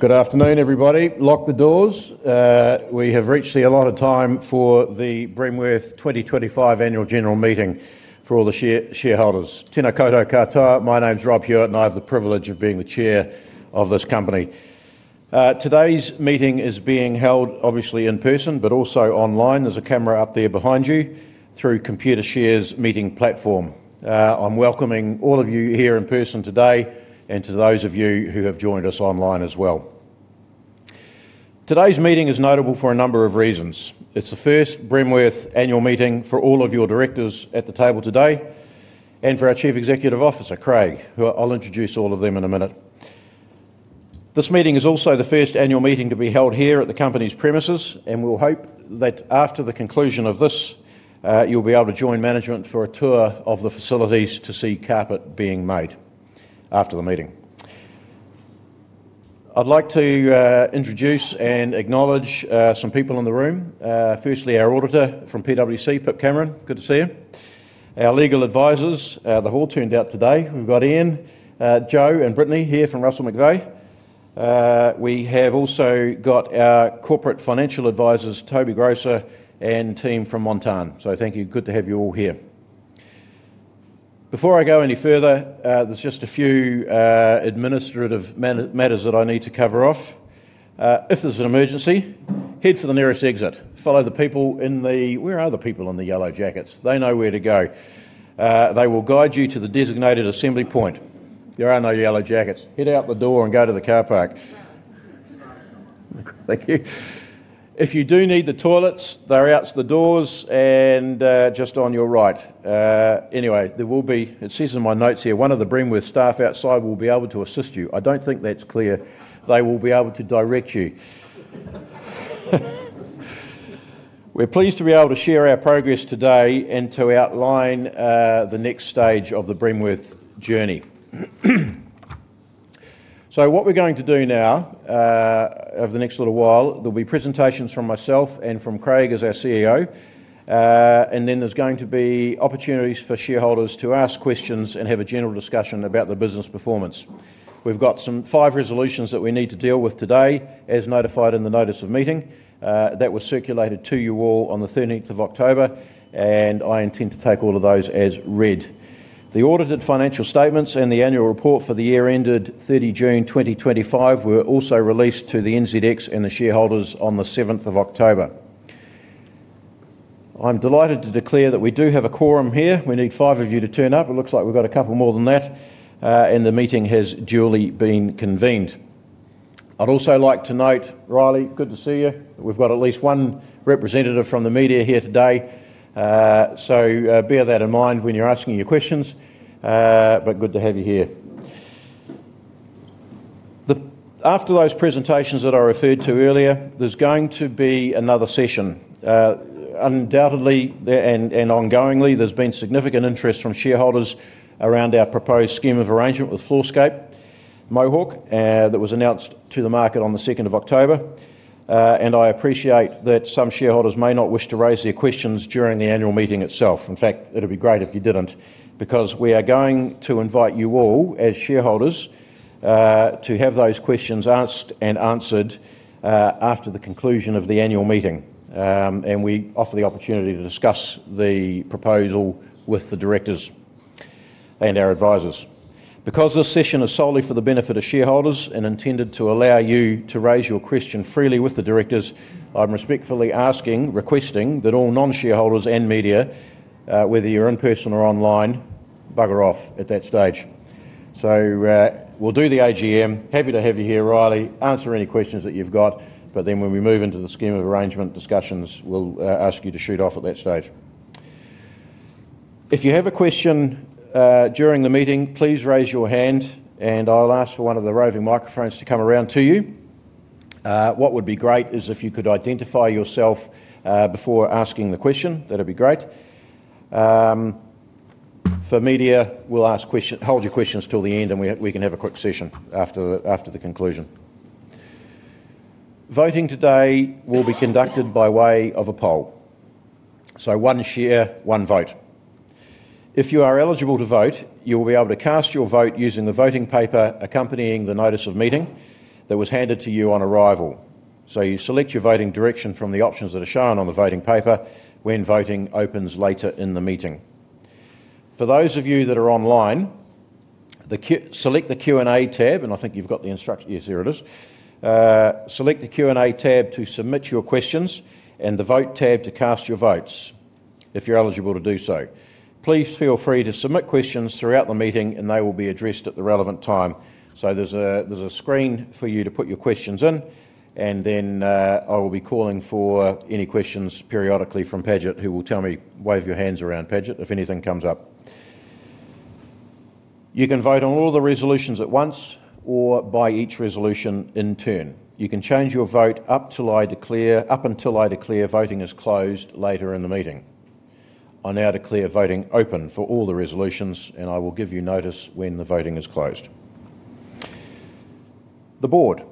Good afternoon, everybody. Lock the doors. We have reached the allotted time for the Bremworth 2025 Annual General Meeting for all the shareholders. Tēnā koutou katoa, my name's Rob Hewett, and I have the privilege of being the Chair of this company. Today's meeting is being held, obviously, in person, but also online. There's a camera up there behind you through Computer share's Meeting Platform. I'm welcoming all of you here in person today and to those of you who have joined us online as well. Today's meeting is notable for a number of reasons. It's the first Bremworth Annual Meeting for all of your directors at the table today and for our Chief Executive Officer, Craig, who I'll introduce all of them in a minute. This meeting is also the first annual meeting to be held here at the company's premises, and we'll hope that after the conclusion of this, you'll be able to join management for a tour of the facilities to see carpet being made after the meeting. I'd like to introduce and acknowledge some people in the room. Firstly, our auditor from PwC, Pip Cameron. Good to see you. Our legal advisors, the hall turned out today. We've got Ian, Joe, and Brittany here from Russell McVeigh. We have also got our corporate financial advisors, Toby Grosser, and team from Montana. So thank you. Good to have you all here. Before I go any further, there's just a few administrative matters that I need to cover off. If there's an emergency, head for the nearest exit. Follow the people in the—where are the people in the yellow jackets? They know where to go. They will guide you to the designated assembly point. There are no yellow jackets. Head out the door and go to the car park. Thank you. If you do need the toilets, they're out the doors and just on your right. Anyway, there will be—it says in my notes here one of the Bremworth staff outside will be able to assist you. I don't think that's clear. They will be able to direct you. We're pleased to be able to share our progress today and to outline the next stage of the Bremworth journey. What we're going to do now over the next little while, there'll be presentations from myself and from Craig as our CEO, and then there's going to be opportunities for shareholders to ask questions and have a general discussion about the business performance. We've got some five resolutions that we need to deal with today, as notified in the notice of meeting. That was circulated to you all on the 13th of October, and I intend to take all of those as read. The audited financial statements and the annual report for the year ended 30 June 2025 were also released to the NZX and the shareholders on the 7th of October. I'm delighted to declare that we do have a quorum here. We need five of you to turn up. It looks like we've got a couple more than that, and the meeting has duly been convened. I'd also like to note, Riley, good to see you. We've got at least one representative from the media here today, so bear that in mind when you're asking your questions, but good to have you here. After those presentations that I referred to earlier, there's going to be another session. Undoubtedly, and ongoingly, there's been significant interest from shareholders around our proposed scheme of arrangement with Floorscape Mohawk that was announced to the market on the 2nd of October, and I appreciate that some shareholders may not wish to raise their questions during the annual meeting itself. In fact, it'd be great if you didn't because we are going to invite you all as shareholders to have those questions asked and answered after the conclusion of the annual meeting, and we offer the opportunity to discuss the proposal with the directors and our advisors. Because this session is solely for the benefit of shareholders and intended to allow you to raise your question freely with the directors, I'm respectfully asking, requesting that all non-shareholders and media, whether you're in person or online, bugger off at that stage. We will do the AGM. Happy to have you here, Riley. Answer any questions that you've got, but when we move into the scheme of arrangement discussions, we'll ask you to shoot off at that stage. If you have a question during the meeting, please raise your hand, and I'll ask for one of the roving microphones to come around to you. What would be great is if you could identify yourself before asking the question. That'd be great. For media, we'll hold your questions till the end, and we can have a quick session after the conclusion. Voting today will be conducted by way of a poll. One share, one vote. If you are eligible to vote, you'll be able to cast your vote using the voting paper accompanying the notice of meeting that was handed to you on arrival. You select your voting direction from the options that are shown on the voting paper when voting opens later in the meeting. For those of you that are online, select the Q&A tab, and I think you've got the instruction—yes, here it is. Select the Q&A tab to submit your questions and the vote tab to cast your votes if you're eligible to do so. Please feel free to submit questions throughout the meeting, and they will be addressed at the relevant time. There is a screen for you to put your questions in, and then I will be calling for any questions periodically from Padgett, who will tell me, "Wave your hands around, Padgett," if anything comes up. You can vote on all the resolutions at once or by each resolution in turn. You can change your vote up until I declare voting is closed later in the meeting. I now declare voting open for all the resolutions, and I will give you notice when the voting is closed. The board.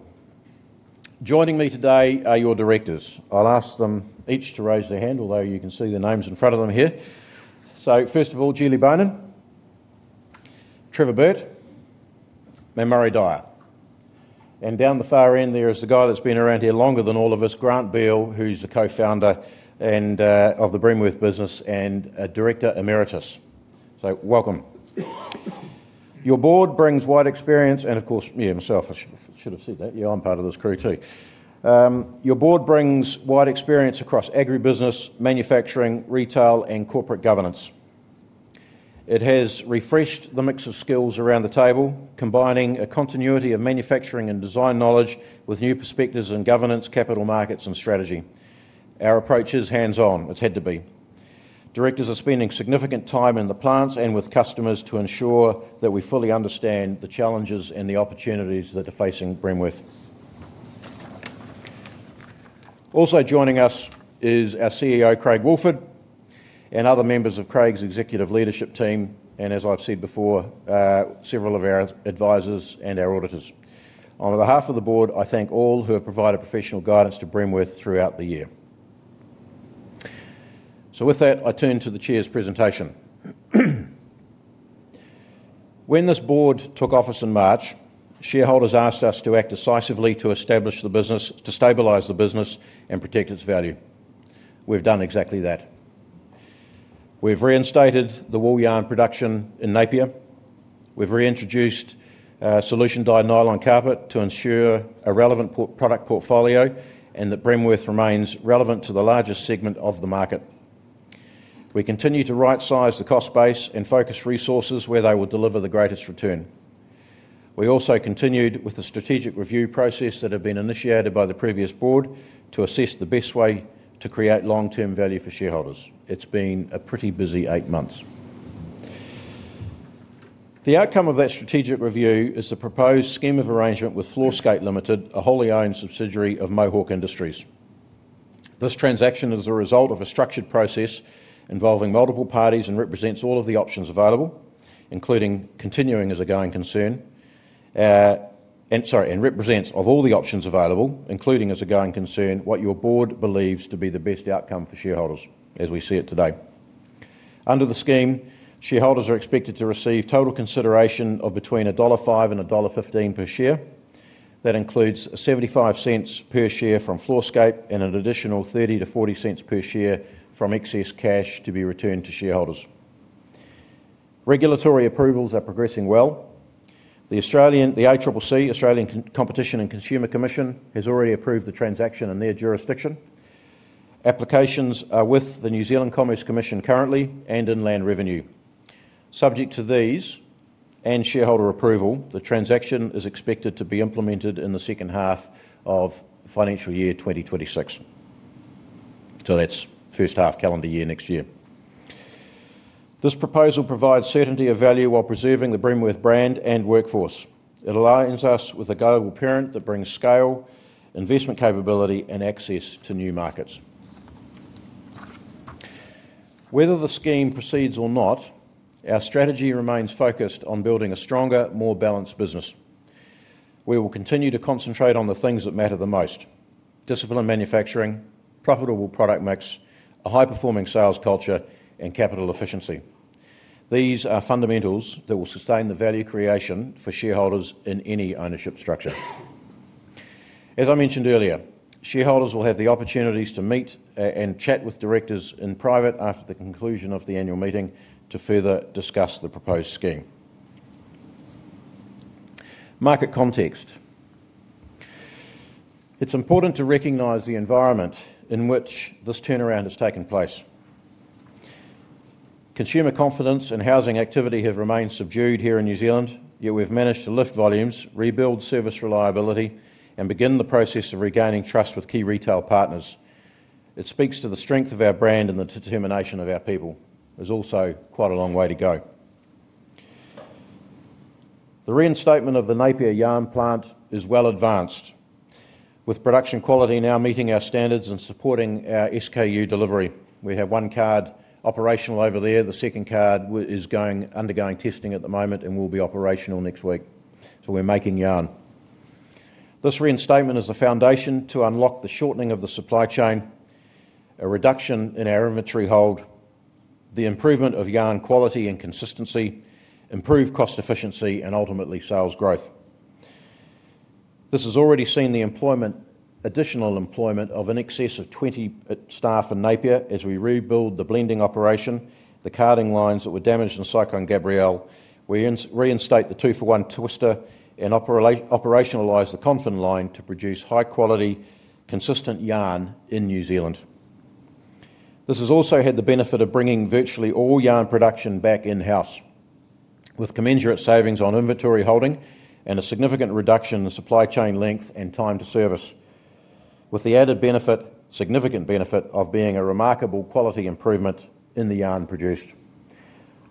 Joining me today are your directors. I'll ask them each to raise their hand, although you can see the names in front of them here. First of all, Julie Bohnenn, Trevor Burt, Murray Dyer. Down the far end, there is the guy that's been around here longer than all of us, Grant Beale, who's the co-founder of the Bremworth business and a director emeritus. So welcome. Your board brings wide experience and, of course, you yourself should have said that. Yeah, I'm part of this crew too. Your board brings wide experience across agribusiness, manufacturing, retail, and corporate governance. It has refreshed the mix of skills around the table, combining a continuity of manufacturing and design knowledge with new perspectives in governance, capital markets, and strategy. Our approach is hands-on. It's had to be. Directors are spending significant time in the plants and with customers to ensure that we fully understand the challenges and the opportunities that are facing Bremworth. Also joining us is our CEO, Craig Woolford, and other members of Craig's executive leadership team, and as I've said before, several of our advisors and our auditors. On behalf of the board, I thank all who have provided professional guidance to Bremworth throughout the year. With that, I turn to the chair's presentation. When this board took office in March, shareholders asked us to act decisively to establish the business, to stabilize the business, and protect its value. We've done exactly that. We've reinstated the wool yarn production in Napier. We've reintroduced solution-dyed nylon carpet to ensure a relevant product portfolio and that Bremworth remains relevant to the largest segment of the market. We continue to right-size the cost base and focus resources where they will deliver the greatest return. We also continued with the strategic review process that had been initiated by the previous board to assess the best way to create long-term value for shareholders. It's been a pretty busy eight months. The outcome of that strategic review is the proposed scheme of arrangement with Floorscape, a wholly-owned subsidiary of Mohawk Industries. This transaction is the result of a structured process involving multiple parties and represents all of the options available, including continuing as a going concern, and, sorry, and represents of all the options available, including as a going concern, what your board believes to be the best outcome for shareholders as we see it today. Under the scheme, shareholders are expected to receive total consideration of between 1.05-1.15 dollar per share. That includes 0.75 per share from Floorscape and an additional 0.30-0.40 per share from excess cash to be returned to shareholders. Regulatory approvals are progressing well. The ACCC, Australian Competition and Consumer Commission, has already approved the transaction in their jurisdiction. Applications are with the New Zealand Commerce Commission currently and Inland Revenue. Subject to these and shareholder approval, the transaction is expected to be implemented in the second half of financial year 2026. That is first half calendar year next year. This proposal provides certainty of value while preserving the Bremworth brand and workforce. It aligns us with a global parent that brings scale, investment capability, and access to new markets. Whether the scheme proceeds or not, our strategy remains focused on building a stronger, more balanced business. We will continue to concentrate on the things that matter the most: disciplined manufacturing, profitable product mix, a high-performing sales culture, and capital efficiency. These are fundamentals that will sustain the value creation for shareholders in any ownership structure. As I mentioned earlier, shareholders will have the opportunities to meet and chat with directors in private after the conclusion of the annual meeting to further discuss the proposed scheme. Market context. It's important to recognize the environment in which this turnaround has taken place. Consumer confidence and housing activity have remained subdued here in New Zealand, yet we've managed to lift volumes, rebuild service reliability, and begin the process of regaining trust with key retail partners. It speaks to the strength of our brand and the determination of our people. There's also quite a long way to go. The reinstatement of the Napier yarn plant is well advanced, with production quality now meeting our standards and supporting our SKU delivery. We have one card operational over there. The second card is undergoing testing at the moment and will be operational next week. We are making yarn. This reinstatement is the foundation to unlock the shortening of the supply chain, a reduction in our inventory hold, the improvement of yarn quality and consistency, improved cost efficiency, and ultimately sales growth. This has already seen the additional employment of in excess of 20 staff in Napier as we rebuild the blending operation, the carding lines that were damaged in Cyclone Gabrielle. We reinstate the two-for-one twister and operationalize the confine line to produce high-quality, consistent yarn in New Zealand. This has also had the benefit of bringing virtually all yarn production back in-house, with commensurate savings on inventory holding and a significant reduction in supply chain length and time to service, with the added significant benefit of being a remarkable quality improvement in the yarn produced.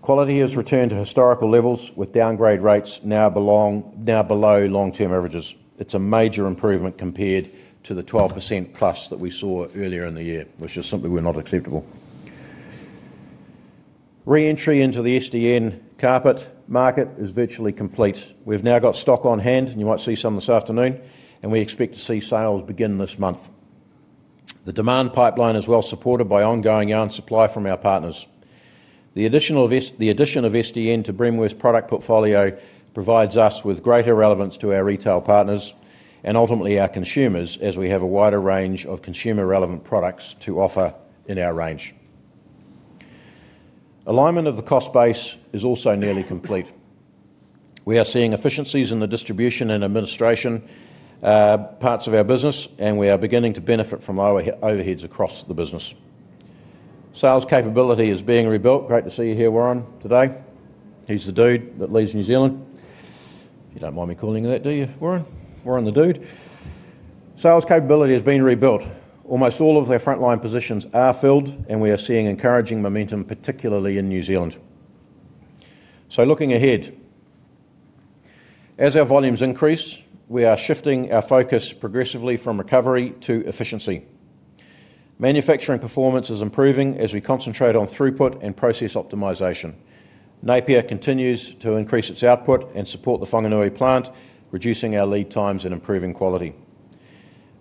Quality has returned to historical levels, with downgrade rates now below long-term averages. It's a major improvement compared to the 12% plus that we saw earlier in the year, which just simply were not acceptable. Re-entry into the SDN carpet market is virtually complete. We've now got stock on hand, and you might see some this afternoon, and we expect to see sales begin this month. The demand pipeline is well supported by ongoing yarn supply from our partners. The addition of SDN to Bremworth's product portfolio provides us with greater relevance to our retail partners and ultimately our consumers as we have a wider range of consumer-relevant products to offer in our range. Alignment of the cost base is also nearly complete. We are seeing efficiencies in the distribution and administration parts of our business, and we are beginning to benefit from overheads across the business. Sales capability is being rebuilt. Great to see you here, Warren, today. He's the dude that leads New Zealand. You don't mind me calling him that, do you, Warren? Warren, the dude. Sales capability has been rebuilt. Almost all of our frontline positions are filled, and we are seeing encouraging momentum, particularly in New Zealand. Looking ahead, as our volumes increase, we are shifting our focus progressively from recovery to efficiency. Manufacturing performance is improving as we concentrate on throughput and process optimization. Napier continues to increase its output and support the Whanganui plant, reducing our lead times and improving quality.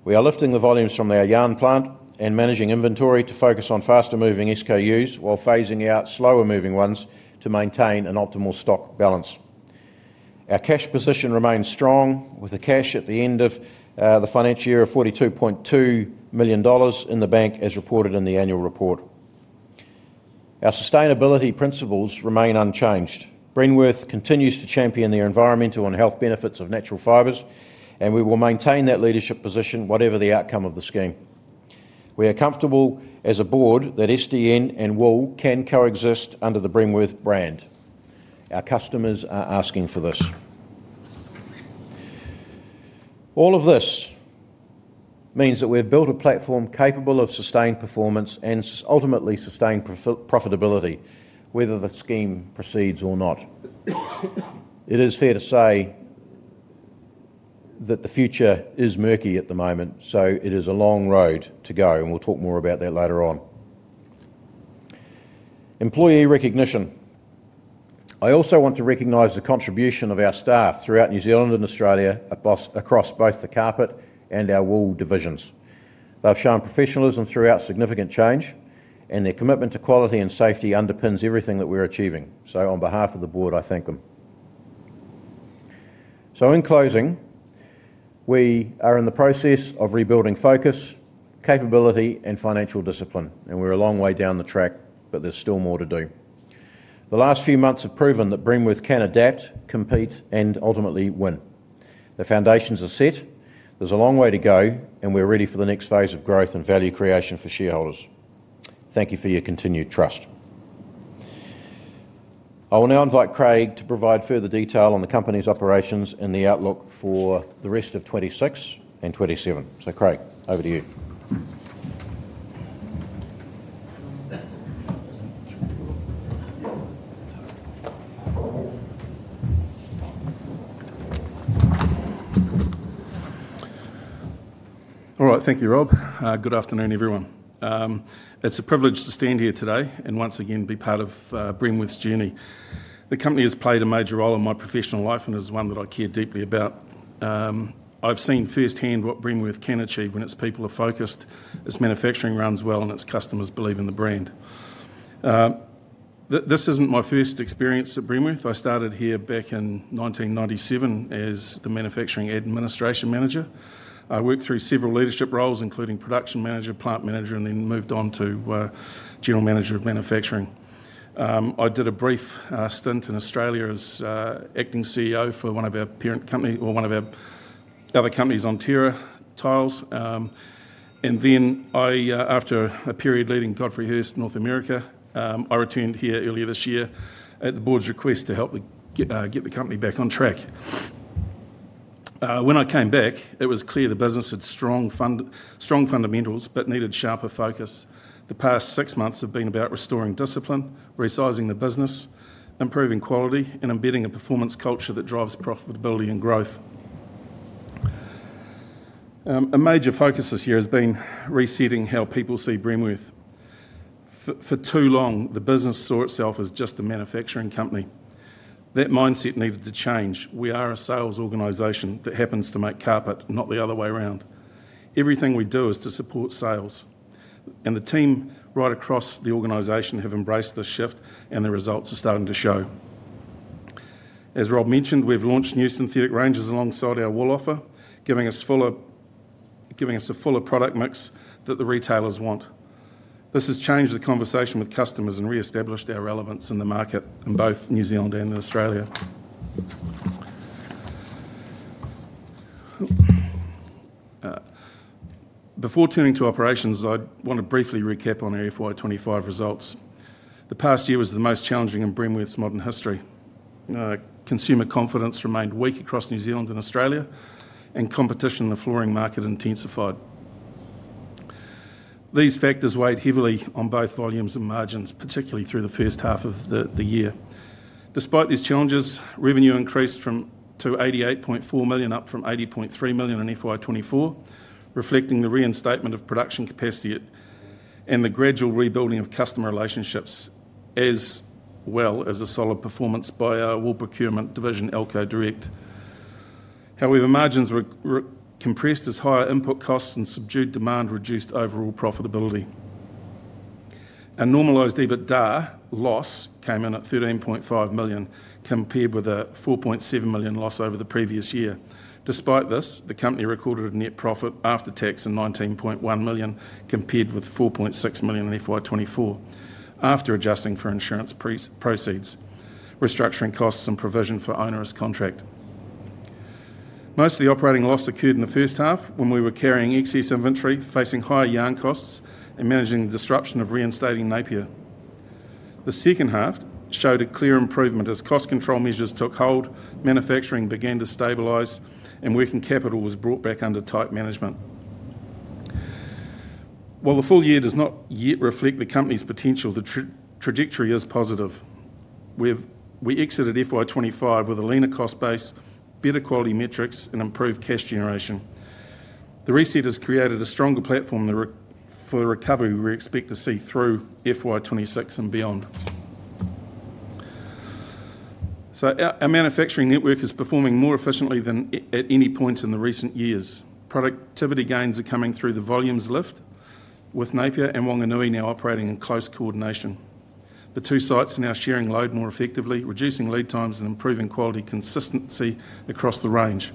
We are lifting the volumes from our yarn plant and managing inventory to focus on faster-moving SKUs while phasing out slower-moving ones to maintain an optimal stock balance. Our cash position remains strong, with the cash at the end of the financial year of 42.2 million dollars in the bank as reported in the annual report. Our sustainability principles remain unchanged. Bremworth continues to champion the environmental and health benefits of natural fibers, and we will maintain that leadership position whatever the outcome of the scheme. We are comfortable as a board that SDN and wool can coexist under the Bremworth brand. Our customers are asking for this. All of this means that we have built a platform capable of sustained performance and ultimately sustained profitability, whether the scheme proceeds or not. It is fair to say that the future is murky at the moment, so it is a long road to go, and we'll talk more about that later on. Employee recognition. I also want to recognize the contribution of our staff throughout New Zealand and Australia across both the carpet and our wool divisions. They've shown professionalism throughout significant change, and their commitment to quality and safety underpins everything that we're achieving. On behalf of the board, I thank them. In closing, we are in the process of rebuilding focus, capability, and financial discipline, and we're a long way down the track, but there's still more to do. The last few months have proven that Bremworth can adapt, compete, and ultimately win. The foundations are set. There's a long way to go, and we're ready for the next phase of growth and value creation for shareholders. Thank you for your continued trust. I will now invite Craig to provide further detail on the company's operations and the outlook for the rest of 2026 and 2027. Craig, over to you. All right, thank you, Rob. Good afternoon, everyone. It's a privilege to stand here today and once again be part of Bremworth's journey. The company has played a major role in my professional life and is one that I care deeply about. I've seen firsthand what Bremworth can achieve when its people are focused, its manufacturing runs well, and its customers believe in the brand. This isn't my first experience at Bremworth. I started here back in 1997 as the manufacturing administration manager. I worked through several leadership roles, including production manager, plant manager, and then moved on to general manager of manufacturing. I did a brief stint in Australia as acting CEO for one of our parent company or one of our other companies, Onterra Tiles. After a period leading Godfrey Hirst, North America, I returned here earlier this year at the board's request to help get the company back on track. When I came back, it was clear the business had strong fundamentals but needed sharper focus. The past six months have been about restoring discipline, resizing the business, improving quality, and embedding a performance culture that drives profitability and growth. A major focus this year has been resetting how people see Bremworth. For too long, the business saw itself as just a manufacturing company. That mindset needed to change. We are a sales organization that happens to make carpet, not the other way around. Everything we do is to support sales, and the team right across the organization have embraced this shift, and the results are starting to show. As Rob mentioned, we've launched new synthetic ranges alongside our wool offer, giving us a fuller product mix that the retailers want. This has changed the conversation with customers and re-established our relevance in the market in both New Zealand and Australia. Before turning to operations, I want to briefly recap on our FY2025 results. The past year was the most challenging in Bremworth's modern history. Consumer confidence remained weak across New Zealand and Australia, and competition in the flooring market intensified. These factors weighed heavily on both volumes and margins, particularly through the first half of the year. Despite these challenges, revenue increased to 88.4 million, up from 80.3 million in 2024, reflecting the reinstatement of production capacity and the gradual rebuilding of customer relationships as well as a solid performance by our wool procurement division, Elco Direct. However, margins were compressed as higher input costs and subdued demand reduced overall profitability. Our normalised EBITDA loss came in at 13.5 million compared with a 4.7 million loss over the previous year. Despite this, the company recorded a net profit after tax of 19.1 million compared with 4.6 million in 2024 after adjusting for insurance proceeds, restructuring costs, and provision for owner's contract. Most of the operating loss occurred in the first half when we were carrying excess inventory, facing higher yarn costs, and managing the disruption of reinstating Napier. The second half showed a clear improvement as cost control measures took hold, manufacturing began to stabilize, and working capital was brought back under tight management. While the full year does not yet reflect the company's potential, the trajectory is positive. We exited FY2025 with a leaner cost base, better quality metrics, and improved cash generation. The reset has created a stronger platform for the recovery we expect to see through FY2026 and beyond. Our manufacturing network is performing more efficiently than at any point in recent years. Productivity gains are coming through the volumes lift with Napier and Whanganui now operating in close coordination. The two sites are now sharing load more effectively, reducing lead times and improving quality consistency across the range.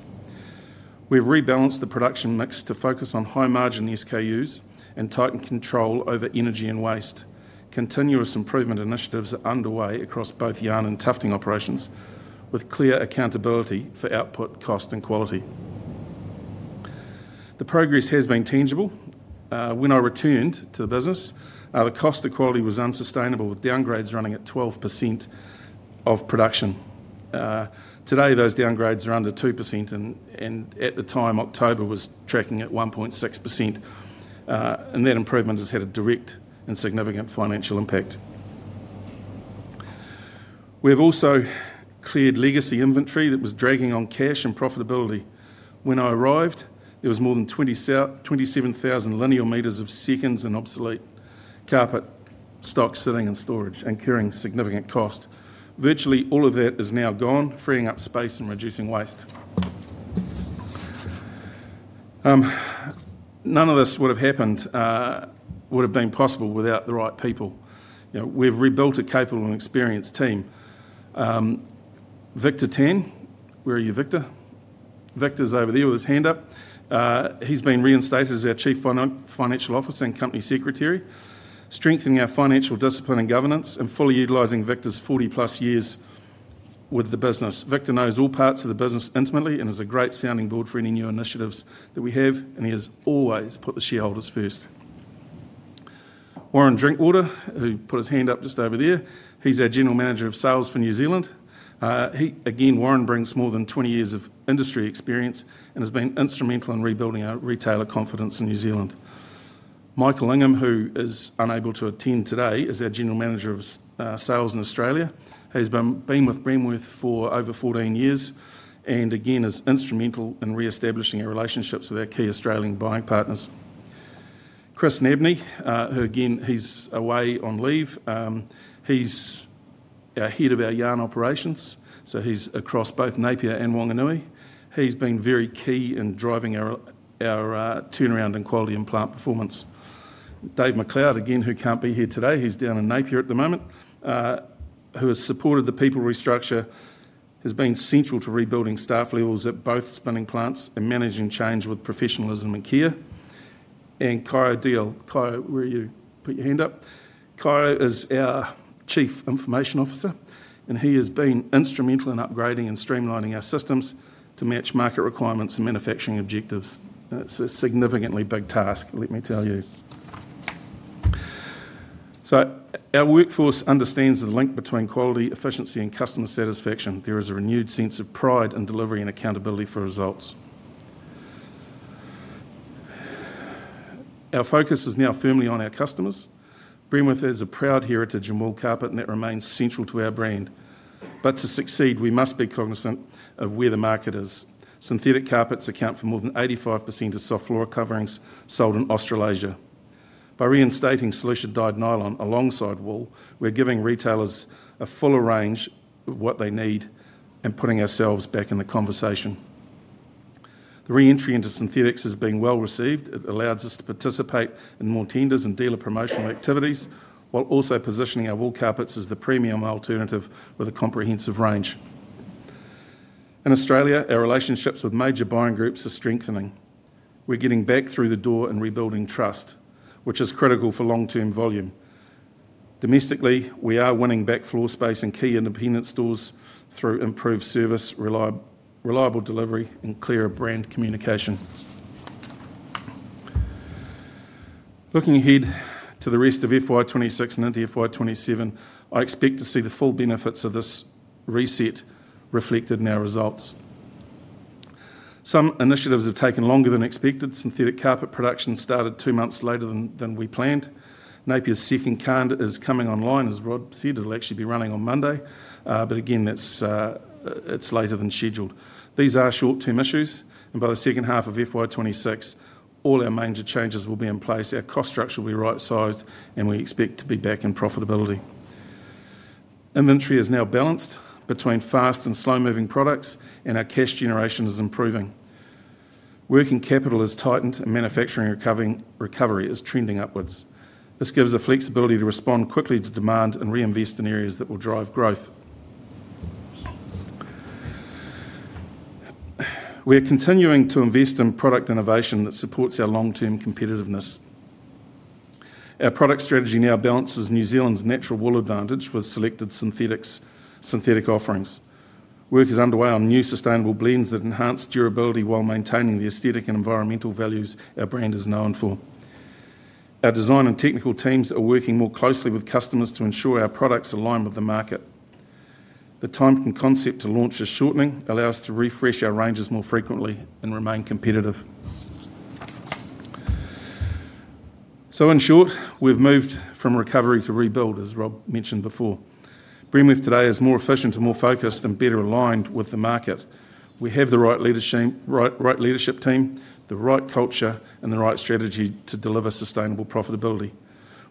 We've rebalanced the production mix to focus on high-margin SKUs and tighten control over energy and waste. Continuous improvement initiatives are underway across both yarn and tufting operations with clear accountability for output, cost, and quality. The progress has been tangible. When I returned to the business, the cost equality was unsustainable with downgrades running at 12% of production. Today, those downgrades are under 2%, and at the time, October was tracking at 1.6%. That improvement has had a direct and significant financial impact. We've also cleared legacy inventory that was dragging on cash and profitability. When I arrived, there was more than 27,000 linear meters of seconds in obsolete carpet stock sitting in storage and carrying significant cost. Virtually all of that is now gone, freeing up space and reducing waste. None of this would have been possible without the right people. We've rebuilt a capable and experienced team. Victor Tan, where are you, Victor? Victor's over there with his hand up. He's been reinstated as our Chief Financial Officer and Company Secretary, strengthening our financial discipline and governance and fully utilising Victor's 40-plus years with the business. Victor knows all parts of the business intimately and is a great sounding board for any new initiatives that we have, and he has always put the shareholders first. Warren Drinkwater, who put his hand up just over there, he's our General Manager of Sales for New Zealand. Again, Warren brings more than 20 years of industry experience and has been instrumental in rebuilding our retailer confidence in New Zealand. Michael Ingham, who is unable to attend today, is our General Manager of Sales in Australia. He's been with Bremworth for over 14 years and again is instrumental in re-establishing our relationships with our key Australian buying partners. Chris Nabney, who again, he's away on leave. He's Head of our Yarn Operations, so he's across both Napier and Whanganui. He's been very key in driving our turnaround and quality and plant performance. Dave McLeod, again, who can't be here today, he's down in Napier at the moment, who has supported the people restructure, has been central to rebuilding staff levels at both spinning plants and managing change with professionalism and care. Kai O'Deal, Kai, where are you? Put your hand up. Kai is our Chief Information Officer, and he has been instrumental in upgrading and streamlining our systems to match market requirements and manufacturing objectives. It's a significantly big task, let me tell you. So our workforce understands the link between quality, efficiency, and customer satisfaction. There is a renewed sense of pride in delivery and accountability for results. Our focus is now firmly on our customers. Bremworth has a proud heritage in wool carpet, and that remains central to our brand. But to succeed, we must be cognizant of where the market is. Synthetic carpets account for more than 85% of soft floor coverings sold in Australasia. By reinstating solution-dyed nylon alongside wool, we're giving retailers a fuller range of what they need and putting ourselves back in the conversation. The reentry into synthetics has been well received. It allows us to participate in more tenders and dealer promotional activities while also positioning our wool carpets as the premium alternative with a comprehensive range. In Australia, our relationships with major buying groups are strengthening. We're getting back through the door and rebuilding trust, which is critical for long-term volume. Domestically, we are winning back floor space and key independent stores through improved service, reliable delivery, and clearer brand communication. Looking ahead to the rest of FY2026 and into FY2027, I expect to see the full benefits of this reset reflected in our results. Some initiatives have taken longer than expected. Synthetic carpet production started two months later than we planned. Napier's second kind is coming online, as Rob said. It'll actually be running on Monday. It is later than scheduled. These are short-term issues, and by the second half of FY2026, all our major changes will be in place. Our cost structure will be right-sized, and we expect to be back in profitability. Inventory is now balanced between fast and slow-moving products, and our cash generation is improving. Working capital is tightened, and manufacturing recovery is trending upwards. This gives us the flexibility to respond quickly to demand and reinvest in areas that will drive growth. We're continuing to invest in product innovation that supports our long-term competitiveness. Our product strategy now balances New Zealand's natural wool advantage with selected synthetic offerings. Work is underway on new sustainable blends that enhance durability while maintaining the aesthetic and environmental values our brand is known for. Our design and technical teams are working more closely with customers to ensure our products align with the market. The timed concept-to-launch shortening allows us to refresh our ranges more frequently and remain competitive. In short, we've moved from recovery to rebuild, as Rob mentioned before. Bremworth today is more efficient, more focused, and better aligned with the market. We have the right leadership team, the right culture, and the right strategy to deliver sustainable profitability.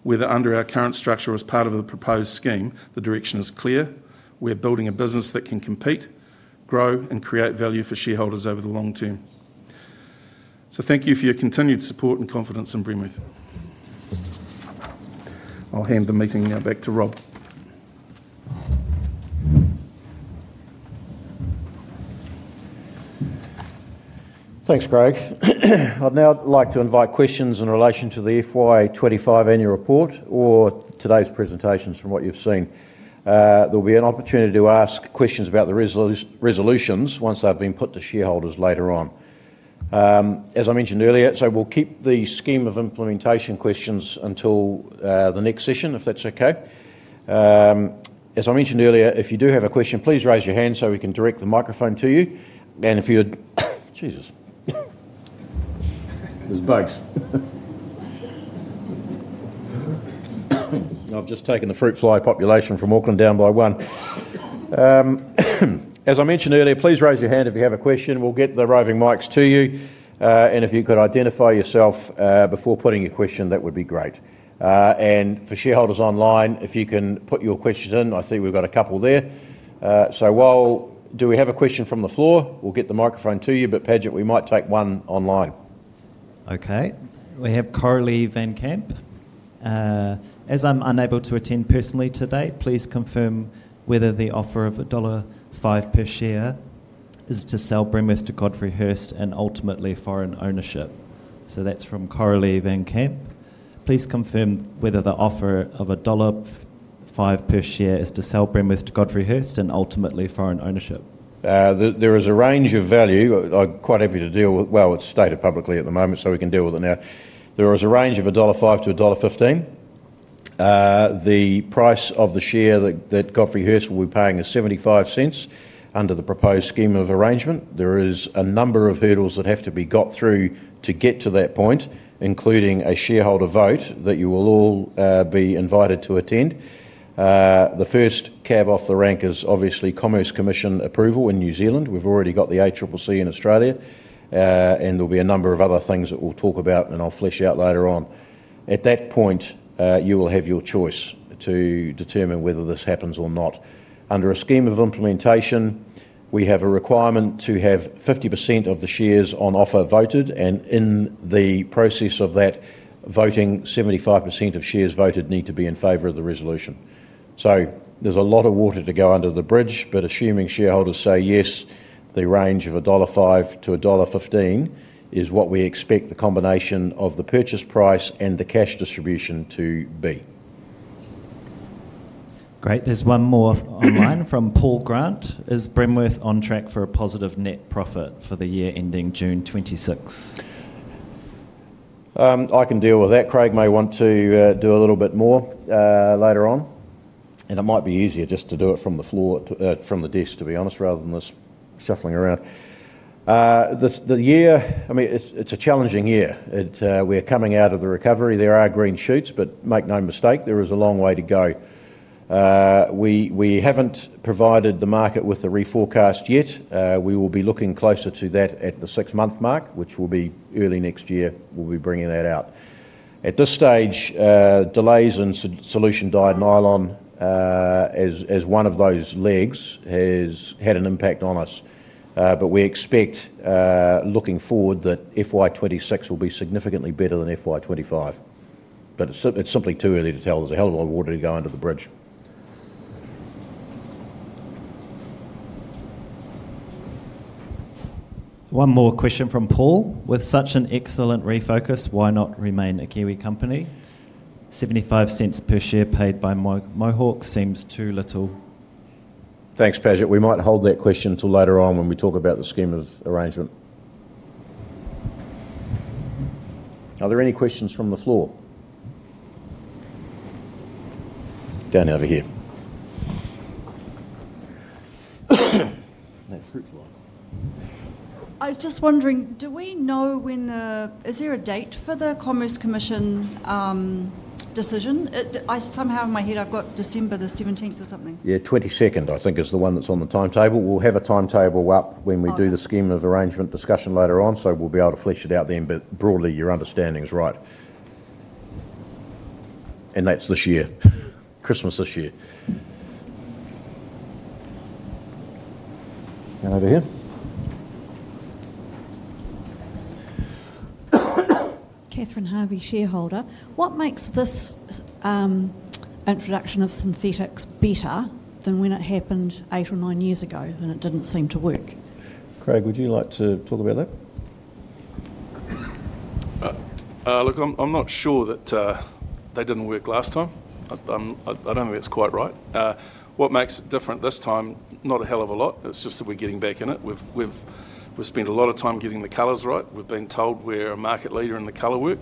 Whether under our current structure or as part of the proposed scheme, the direction is clear. We're building a business that can compete, grow, and create value for shareholders over the long term. Thank you for your continued support and confidence in Bremworth. I'll hand the meeting now back to Rob. Thanks, Craig. I'd now like to invite questions in relation to the FY25 annual report or today's presentations from what you've seen. There'll be an opportunity to ask questions about the resolutions once they've been put to shareholders later on. As I mentioned earlier, we'll keep the scheme of implementation questions until the next session, if that's okay. As I mentioned earlier, if you do have a question, please raise your hand so we can direct the microphone to you. If you're—Jesus. There's bugs. I've just taken the fruit fly population from Auckland down by one. As I mentioned earlier, please raise your hand if you have a question. We'll get the roving mics to you. If you could identify yourself before putting your question, that would be great. For shareholders online, if you can put your question in, I see we've got a couple there. Do we have a question from the floor? We'll get the microphone to you, but Padgett, we might take one online. Okay. We have Coralie Van Camp. As I'm unable to attend personally today, please confirm whether the offer of dollar 1.05 per share is to sell Bremworth to Godfrey Hirst and ultimately foreign ownership. That's from Coralie Van Camp. Please confirm whether the offer of dollar 1.05 per share is to sell Bremworth to Godfrey Hirst and ultimately foreign ownership. There is a range of value. I'm quite happy to deal—well, it's stated publicly at the moment, so we can deal with it now. There is a range of 1.05-1.15 dollar. The price of the share that Godfrey Hirst will be paying is 0.75 under the proposed scheme of arrangement. There is a number of hurdles that have to be got through to get to that point, including a shareholder vote that you will all be invited to attend. The first cab off the rank is obviously Commerce Commission approval in New Zealand. We've already got the ACCC in Australia, and there'll be a number of other things that we'll talk about, and I'll flesh out later on. At that point, you will have your choice to determine whether this happens or not. Under a scheme of implementation, we have a requirement to have 50% of the shares on offer voted, and in the process of that voting, 75% of shares voted need to be in favor of the resolution. There is a lot of water to go under the bridge, but assuming shareholders say yes, the range of 1.05-1.15 dollar is what we expect the combination of the purchase price and the cash distribution to be. Great. There is one more online from Paul Grant. Is Bremworth on track for a positive net profit for the year ending June 2026? I can deal with that. Craig may want to do a little bit more later on, and it might be easier just to do it from the floor, from the desk, to be honest, rather than this shuffling around. The year, I mean, it's a challenging year. We're coming out of the recovery. There are green shoots, but make no mistake, there is a long way to go. We haven't provided the market with a reforecast yet. We will be looking closer to that at the six-month mark, which will be early next year. We'll be bringing that out. At this stage, delays in solution-dyed nylon as one of those legs has had an impact on us. We expect, looking forward, that FY2026 will be significantly better than FY2025. It's simply too early to tell. There's a hell of a lot of water to go under the bridge. One more question from Paul. With such an excellent refocus, why not remain a Kiwi company? 0.75 per share paid by Mohawk seems too little. Thanks, Padget. We might hold that question until later on when we talk about the scheme of arrangement. Are there any questions from the floor? Down over here. That fruit fly. I was just wondering, do we know when the—is there a date for the Commerce Commission decision? Somehow in my head, I've got December the 17th or something. Yeah, 22nd, I think, is the one that's on the timetable. We'll have a timetable up when we do the scheme of arrangement discussion later on, so we'll be able to flesh it out then. Broadly, your understanding is right. And that's this year, Christmas this year. Down over here. Katherine Harvey, shareholder. What makes this introduction of synthetics better than when it happened eight or nine years ago and it did not seem to work? Craig, would you like to talk about that? Look, I am not sure that they did not work last time. I do not think that is quite right. What makes it different this time? Not a hell of a lot. It is just that we are getting back in it. We have spent a lot of time getting the colors right. We have been told we are a market leader in the color work,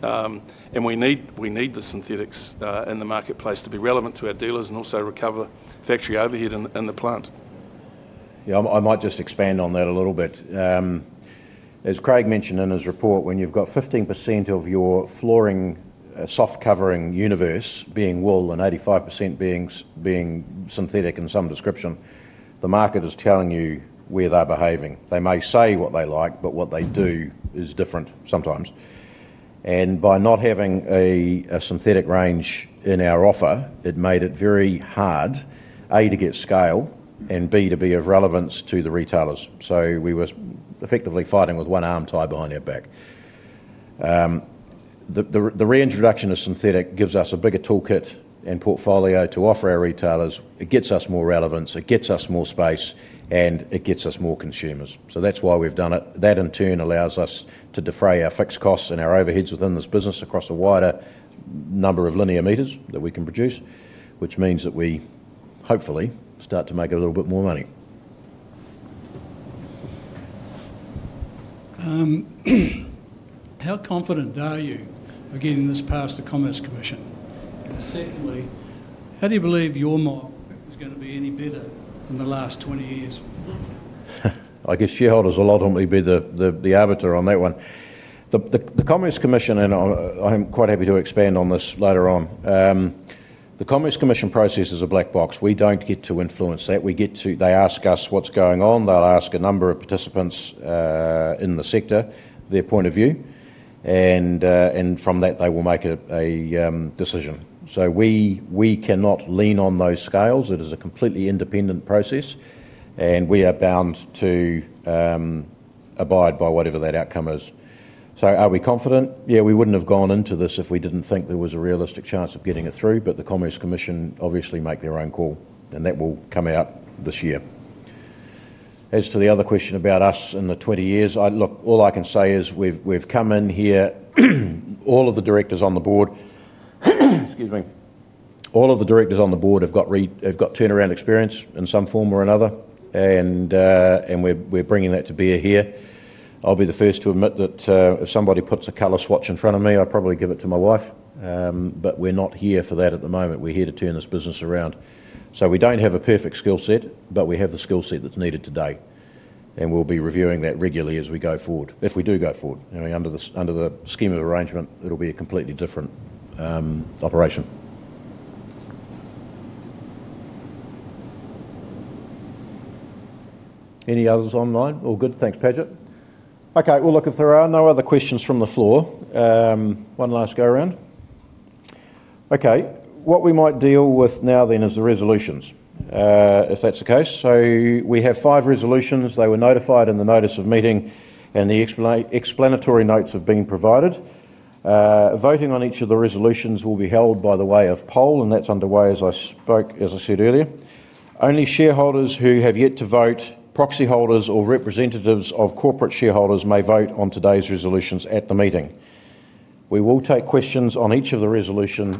and we need the synthetics in the marketplace to be relevant to our dealers and also recover factory overhead in the plant. Yeah, I might just expand on that a little bit. As Craig mentioned in his report, when you've got 15% of your flooring soft covering universe being wool and 85% being synthetic in some description, the market is telling you where they're behaving. They may say what they like, but what they do is different sometimes. By not having a synthetic range in our offer, it made it very hard, A, to get scale, and B, to be of relevance to the retailers. We were effectively fighting with one arm tied behind our back. The reintroduction of synthetic gives us a bigger toolkit and portfolio to offer our retailers. It gets us more relevance. It gets us more space, and it gets us more consumers. That is why we've done it. That, in turn, allows us to defray our fixed costs and our overheads within this business across a wider number of linear metres that we can produce, which means that we hopefully start to make a little bit more money. How confident are you of getting this past the Commerce Commission? Secondly, how do you believe your market is going to be any better in the last 20 years? I guess shareholders will ultimately be the arbiter on that one. The Commerce Commission, and I'm quite happy to expand on this later on. The Commerce Commission process is a black box. We do not get to influence that. They ask us what's going on. They will ask a number of participants in the sector their point of view, and from that, they will make a decision. We cannot lean on those scales. It is a completely independent process, and we are bound to abide by whatever that outcome is. Are we confident? Yeah, we wouldn't have gone into this if we didn't think there was a realistic chance of getting it through, but the Commerce Commission obviously makes their own call, and that will come out this year. As to the other question about us in the 20 years, look, all I can say is we've come in here. All of the directors on the board—excuse me—all of the directors on the board have got turnaround experience in some form or another, and we're bringing that to bear here. I'll be the first to admit that if somebody puts a color swatch in front of me, I'll probably give it to my wife. We're not here for that at the moment. We're here to turn this business around. We do not have a perfect skill set, but we have the skill set that is needed today, and we will be reviewing that regularly as we go forward. If we do go forward, under the scheme of arrangement, it will be a completely different operation. Any others online? All good? Thanks, Padget. Okay. If there are no other questions from the floor, one last go-around. Okay. What we might deal with now then is the resolutions, if that is the case. We have five resolutions. They were notified in the notice of meeting, and the explanatory notes have been provided. Voting on each of the resolutions will be held by way of poll, and that is underway, as I said earlier. Only shareholders who have yet to vote, proxy holders, or representatives of corporate shareholders may vote on today's resolutions at the meeting. We will take questions on each of the resolutions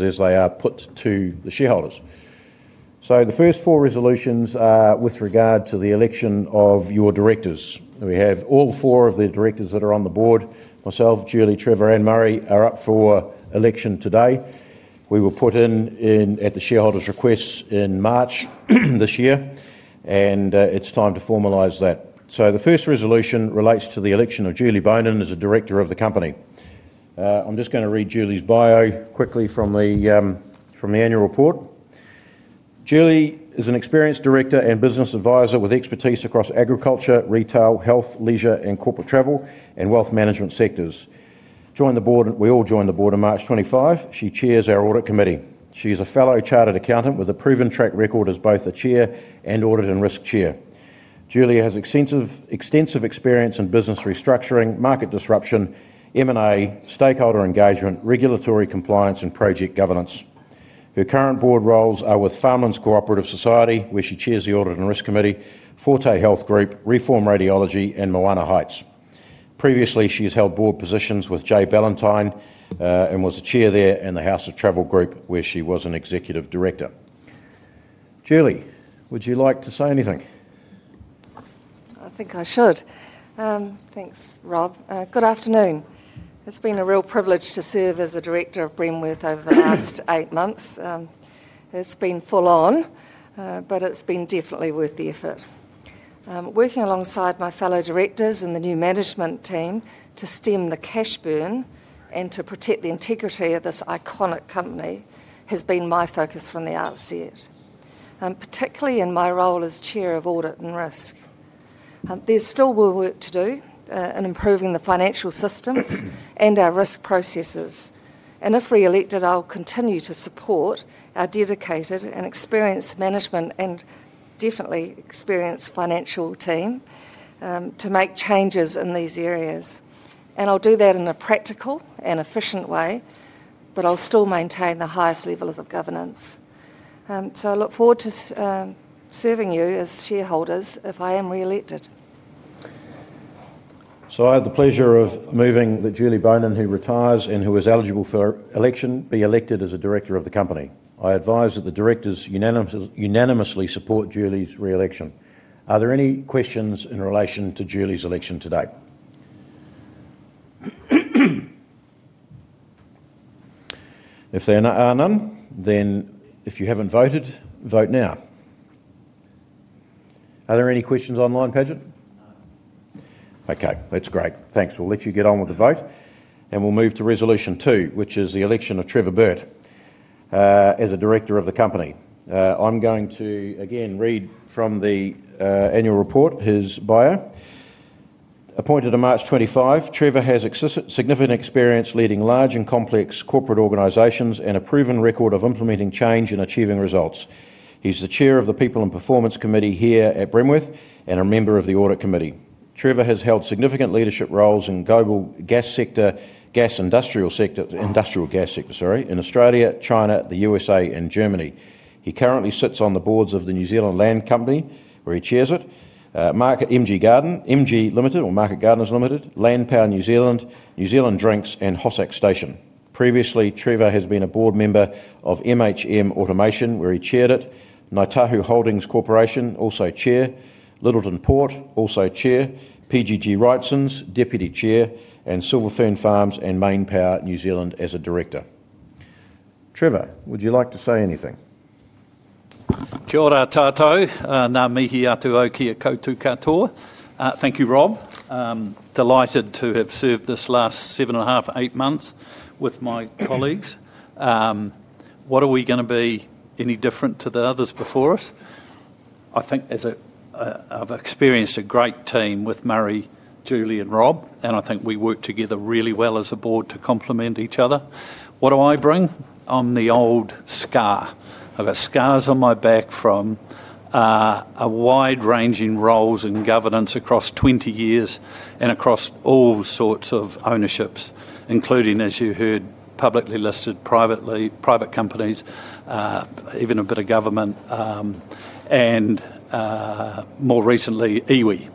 as they are put to the shareholders. The first four resolutions are with regard to the election of your directors. We have all four of the directors that are on the board—myself, Julie, Trevor, and Murray—are up for election today. We were put in at the shareholders' request in March this year, and it is time to formalize that. The first resolution relates to the election of Julie Bohnenn as a director of the company. I am just going to read Julie's bio quickly from the annual report. Julie is an experienced director and business advisor with expertise across agriculture, retail, health, leisure, and corporate travel and wealth management sectors. We all joined the board on March 25. She chairs our audit committee. She is a fellow chartered accountant with a proven track record as both a chair and audit and risk chair. Julie has extensive experience in business restructuring, market disruption, M&A, stakeholder engagement, regulatory compliance, and project governance. Her current board roles are with Farmlands Cooperative Society, where she chairs the audit and risk committee, Forte Health Group, Reform Radiology, and Moana Heights. Previously, she has held board positions with Jay Ballantyne and was a chair there in the House of Travel Group, where she was an executive director. Julie, would you like to say anything? I think I should. Thanks, Rob. Good afternoon. It's been a real privilege to serve as a director of Bremworth over the last eight months. It's been full-on, but it's been definitely worth the effort. Working alongside my fellow directors and the new management team to stem the cash burn and to protect the integrity of this iconic company has been my focus from the outset, particularly in my role as Chair of Audit and Risk. There is still more work to do in improving the financial systems and our risk processes. If re-elected, I will continue to support our dedicated and experienced management and definitely experienced financial team to make changes in these areas. I will do that in a practical and efficient way, but I will still maintain the highest levels of governance. I look forward to serving you as shareholders if I am re-elected. I have the pleasure of moving that Julie Bohnenn, who retires and who is eligible for election, be elected as a director of the company. I advise that the directors unanimously support Julie's re-election. Are there any questions in relation to Julie's election today? If there are none, then if you haven't voted, vote now. Are there any questions online, Padget? None. Okay. That's great. Thanks. We'll let you get on with the vote, and we'll move to resolution two, which is the election of Trevor Burt as a director of the company. I'm going to, again, read from the annual report, his bio. Appointed on March 25, Trevor has significant experience leading large and complex corporate organizations and a proven record of implementing change and achieving results. He's the Chair of the People and Performance Committee here at Bremworth and a member of the audit committee. Trevor has held significant leadership roles in global gas sector, gas industrial gas sector, sorry, in Australia, China, the USA, and Germany. He currently sits on the boards of the New Zealand Land Company, where he chairs it, MG Garden, MG Limited, or Market Gardens Limited, Land Power New Zealand, New Zealand Drinks, and Hossack Station. Previously, Trevor has been a board member of Automation, where he chaired it, Ngāi Tahu Holdings Corporation, also chair, Lyttelton Port, also chair, PGG Wrightson, deputy chair, and Silver Fern Farms and MainPower New Zealand, as a director. Trevor, would you like to say anything? Kia ora, tatau. Ngā mihi atu ki a koutou katoa. Thank you, Rob. Delighted to have served this last seven and a half, eight months with my colleagues. What are we going to be any different to the others before us? I think I've experienced a great team with Murray, Julie, and Rob, and I think we work together really well as a board to complement each other. What do I bring? I'm the old scar. I've got scars on my back from wide-ranging roles in governance across 20 years and across all sorts of ownerships, including, as you heard, publicly listed, privately private companies, even a bit of government, and more recently, Iwi.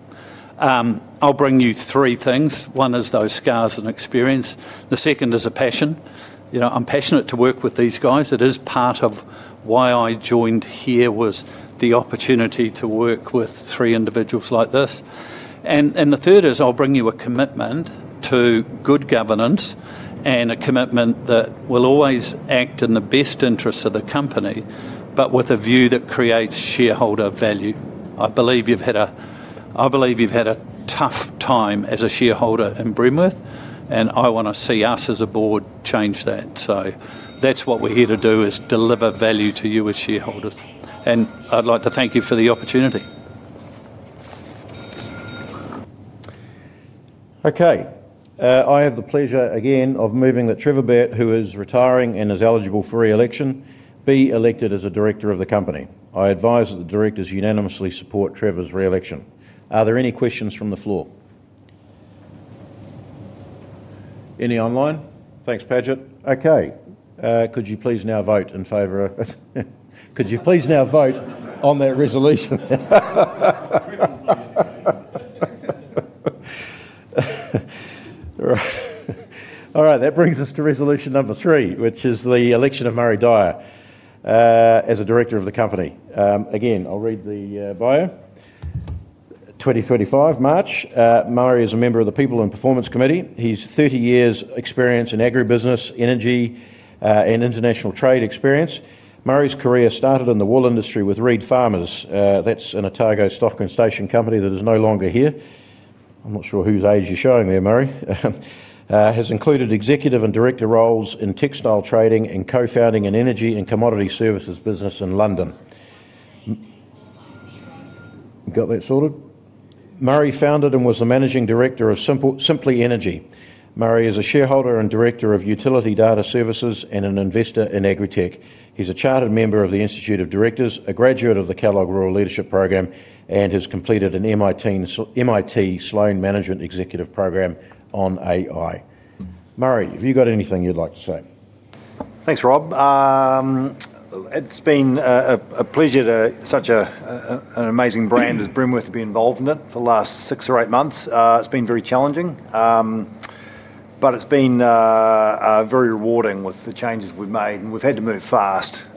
I'll bring you three things. One is those scars and experience. The second is a passion. I'm passionate to work with these guys. It is part of why I joined here was the opportunity to work with three individuals like this. The third is I'll bring you a commitment to good governance and a commitment that will always act in the best interests of the company, but with a view that creates shareholder value. I believe you've had a—I believe you've had a tough time as a shareholder in Bremworth, and I want to see us as a board change that. That's what we're here to do, is deliver value to you as shareholders. I'd like to thank you for the opportunity. Okay. I have the pleasure again of moving that Trevor Burt, who is retiring and is eligible for re-election, be elected as a director of the company. I advise that the directors unanimously support Trevor's re-election. Are there any questions from the floor? Any online? Thanks, Padget. Okay. Could you please now vote in favor of—could you please now vote on that resolution? All right. That brings us to resolution number three, which is the election of Murray Dyer as a director of the company. Again, I'll read the bio. 2025, March. Murray is a member of the People and Performance Committee. He has 30 years' experience in agribusiness, energy, and international trade experience. Murray's career started in the wool industry with Reed Farmers. That's an Otago stock and station company that is no longer here. I'm not sure whose age you're showing there, Murray. Has included executive and director roles in textile trading and co-founding an energy and commodity services business in London. You got that sorted? Murray founded and was the Managing Director of Simply Energy. Murray is a shareholder and director of utility data services and an investor in agritech. He's a chartered member of the Institute of Directors, a graduate of the Kellogg Rural Leadership Program, and has completed an MIT Sloan Management Executive Program on AI. Murray, have you got anything you'd like to say? Thanks, Rob. It's been a pleasure to—such an amazing brand as Bremworth to be involved in it for the last six or eight months. It's been very challenging, but it's been very rewarding with the changes we've made, and we've had to move fast.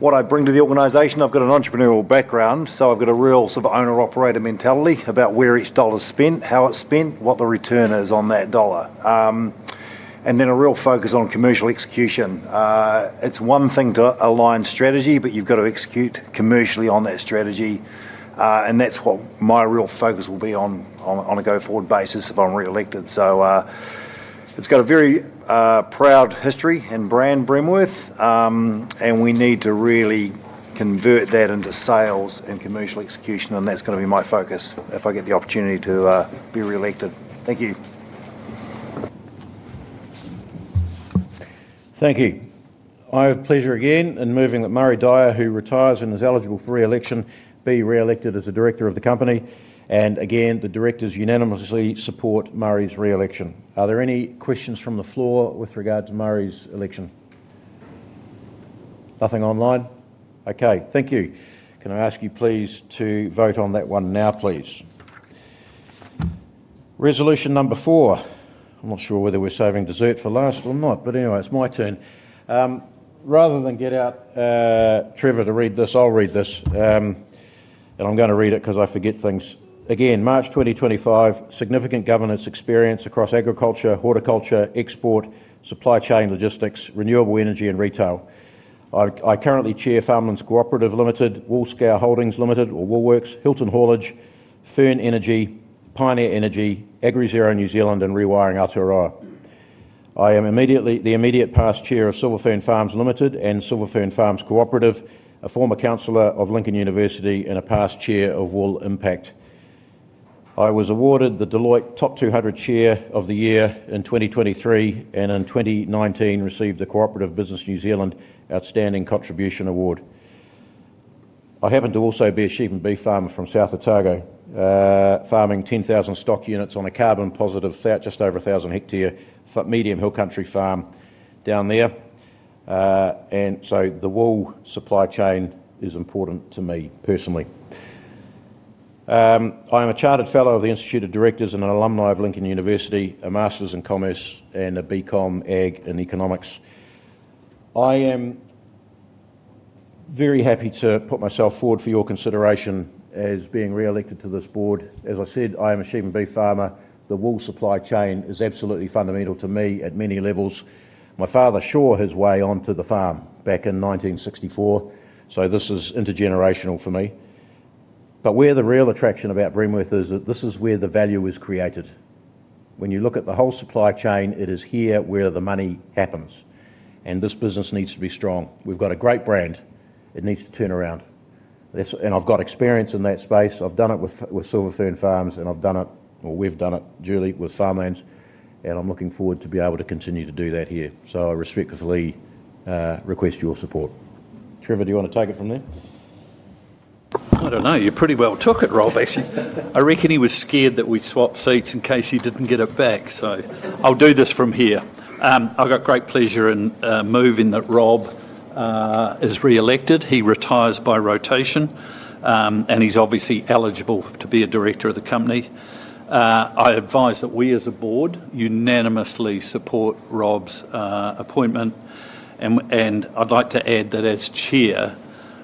What I bring to the organization, I've got an entrepreneurial background, so I've got a real sort of owner-operator mentality about where each dollar's spent, how it's spent, what the return is on that dollar, and then a real focus on commercial execution. It's one thing to align strategy, but you've got to execute commercially on that strategy, and that's what my real focus will be on on a go-forward basis if I'm re-elected. It has got a very proud history and brand, Bremworth, and we need to really convert that into sales and commercial execution, and that's going to be my focus if I get the opportunity to be re-elected. Thank you. Thank you. I have pleasure again in moving that Murray Dyer, who retires and is eligible for re-election, be re-elected as a director of the company, and again, the directors unanimously support Murray's re-election. Are there any questions from the floor with regard to Murray's election? Nothing online? Okay. Thank you. Can I ask you, please, to vote on that one now, please? Resolution number four. I'm not sure whether we're saving dessert for last or not, but anyway, it's my turn. Rather than get out Trevor to read this, I'll read this, and I'm going to read it because I forget things. Again, March 2025, significant governance experience across agriculture, horticulture, export, supply chain logistics, renewable energy, and retail. I currently chair Farmlands Cooperative Society, Wool Scour Holdings Limited, or Woolworks, Hilton Haulage, Fern Energy, Pioneer Energy, AgriZero New Zealand, and Rewiring Aotearoa. I am the immediate past chair of Silverfern Farms Limited and Silverfern Farms Cooperative, a former councillor of Lincoln University and a past chair of Wool Impact. I was awarded the Deloitte Top 200 Chair of the Year in 2023 and in 2019 received the Cooperative Business New Zealand Outstanding Contribution Award. I happen to also be a sheep and beef farmer from South Otago, farming 10,000 stock units on a carbon-positive flat, just over 1,000 hectare, medium hill country farm down there. The wool supply chain is important to me personally. I am a chartered fellow of the Institute of Directors and an alumni of Lincoln University, a master's in commerce and a BCom ag and economics. I am very happy to put myself forward for your consideration as being re-elected to this board. As I said, I am a sheep and beef farmer. The wool supply chain is absolutely fundamental to me at many levels. My father saw his way onto the farm back in 1964, so this is intergenerational for me. But where the real attraction about Bremworth is, this is where the value is created. When you look at the whole supply chain, it is here where the money happens, and this business needs to be strong. We've got a great brand. It needs to turn around. I've got experience in that space. I've done it with Silverfern Farms, and I've done it, or we've done it, Julie, with Farmlands, and I'm looking forward to be able to continue to do that here. I respectfully request your support. Trevor, do you want to take it from there? I don't know. You pretty well took it, Rob, actually. I reckon he was scared that we'd swap seats in case he didn't get it back, so I'll do this from here. I've got great pleasure in moving that Rob is re-elected. He retires by rotation, and he's obviously eligible to be a director of the company. I advise that we, as a board, unanimously support Rob's appointment. I'd like to add that as Chair,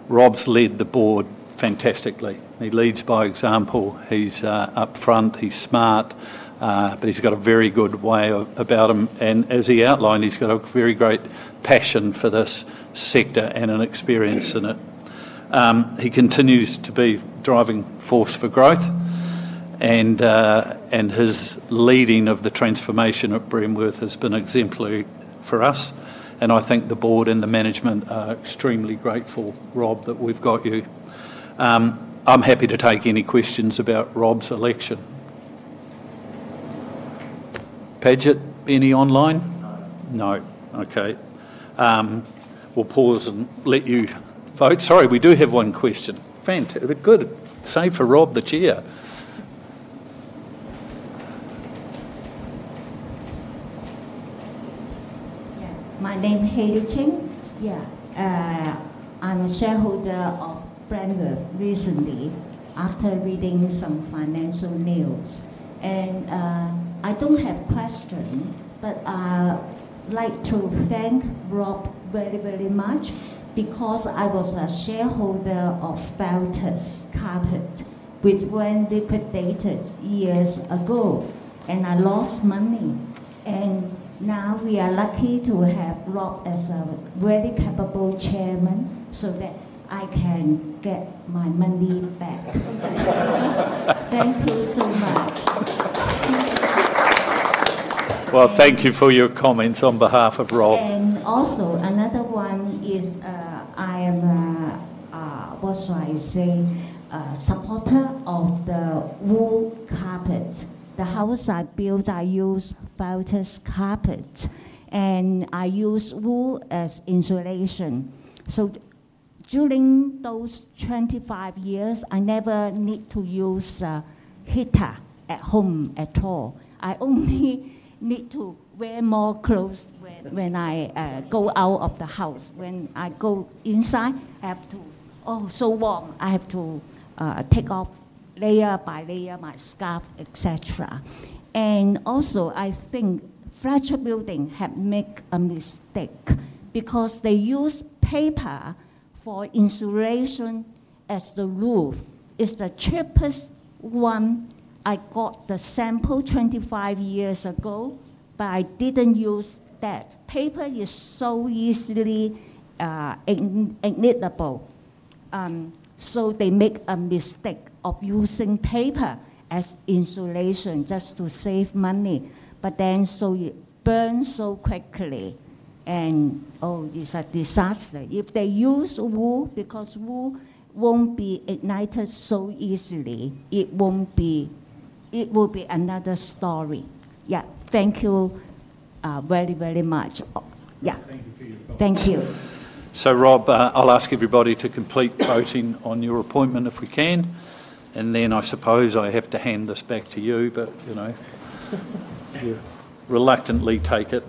Rob's led the board fantastically. He leads by example. He's upfront. He's smart, but he's got a very good way about him. As he outlined, he's got a very great passion for this sector and an experience in it. He continues to be a driving force for growth, and his leading of the transformation at Bremworth has been exemplary for us. I think the board and the management are extremely grateful, Rob, that we've got you. I'm happy to take any questions about Rob's election. Padget, any online? No. Okay. We'll pause and let you vote. Sorry, we do have one question. Good. Save for Rob, the Chair. Yeah. My name is Hailey Cheng. Yeah. I'm a shareholder of Bremworth recently after reading some financial news. I don't have questions, but I'd like to thank Rob very, very much because I was a shareholder of Veltus Carpet, which went liquidated years ago, and I lost money. Now we are lucky to have Rob as a very capable chairman so that I can get my money back. Thank you so much. Thank you for your comments on behalf of Rob. Also, another one is I am, what shall I say, a supporter of the wool carpet. The house I built, I use Veltus Carpet, and I use wool as insulation. During those 25 years, I never need to use a heater at home at all. I only need to wear more clothes when I go out of the house. When I go inside, I have to, oh, so warm, I have to take off layer by layer my scarf, etc. Also, I think flat building have made a mistake because they use paper for insulation as the roof. It's the cheapest one. I got the sample 25 years ago, but I didn't use that. Paper is so easily ignitable. They make a mistake of using paper as insulation just to save money, but then it burns so quickly, and oh, it's a disaster. If they use wool because wool won't be ignited so easily, it will be another story. Yeah. Thank you very, very much. Yeah. Thank you for your comments. Thank you. Rob, I'll ask everybody to complete voting on your appointment if we can. I suppose I have to hand this back to you, but you reluctantly take it.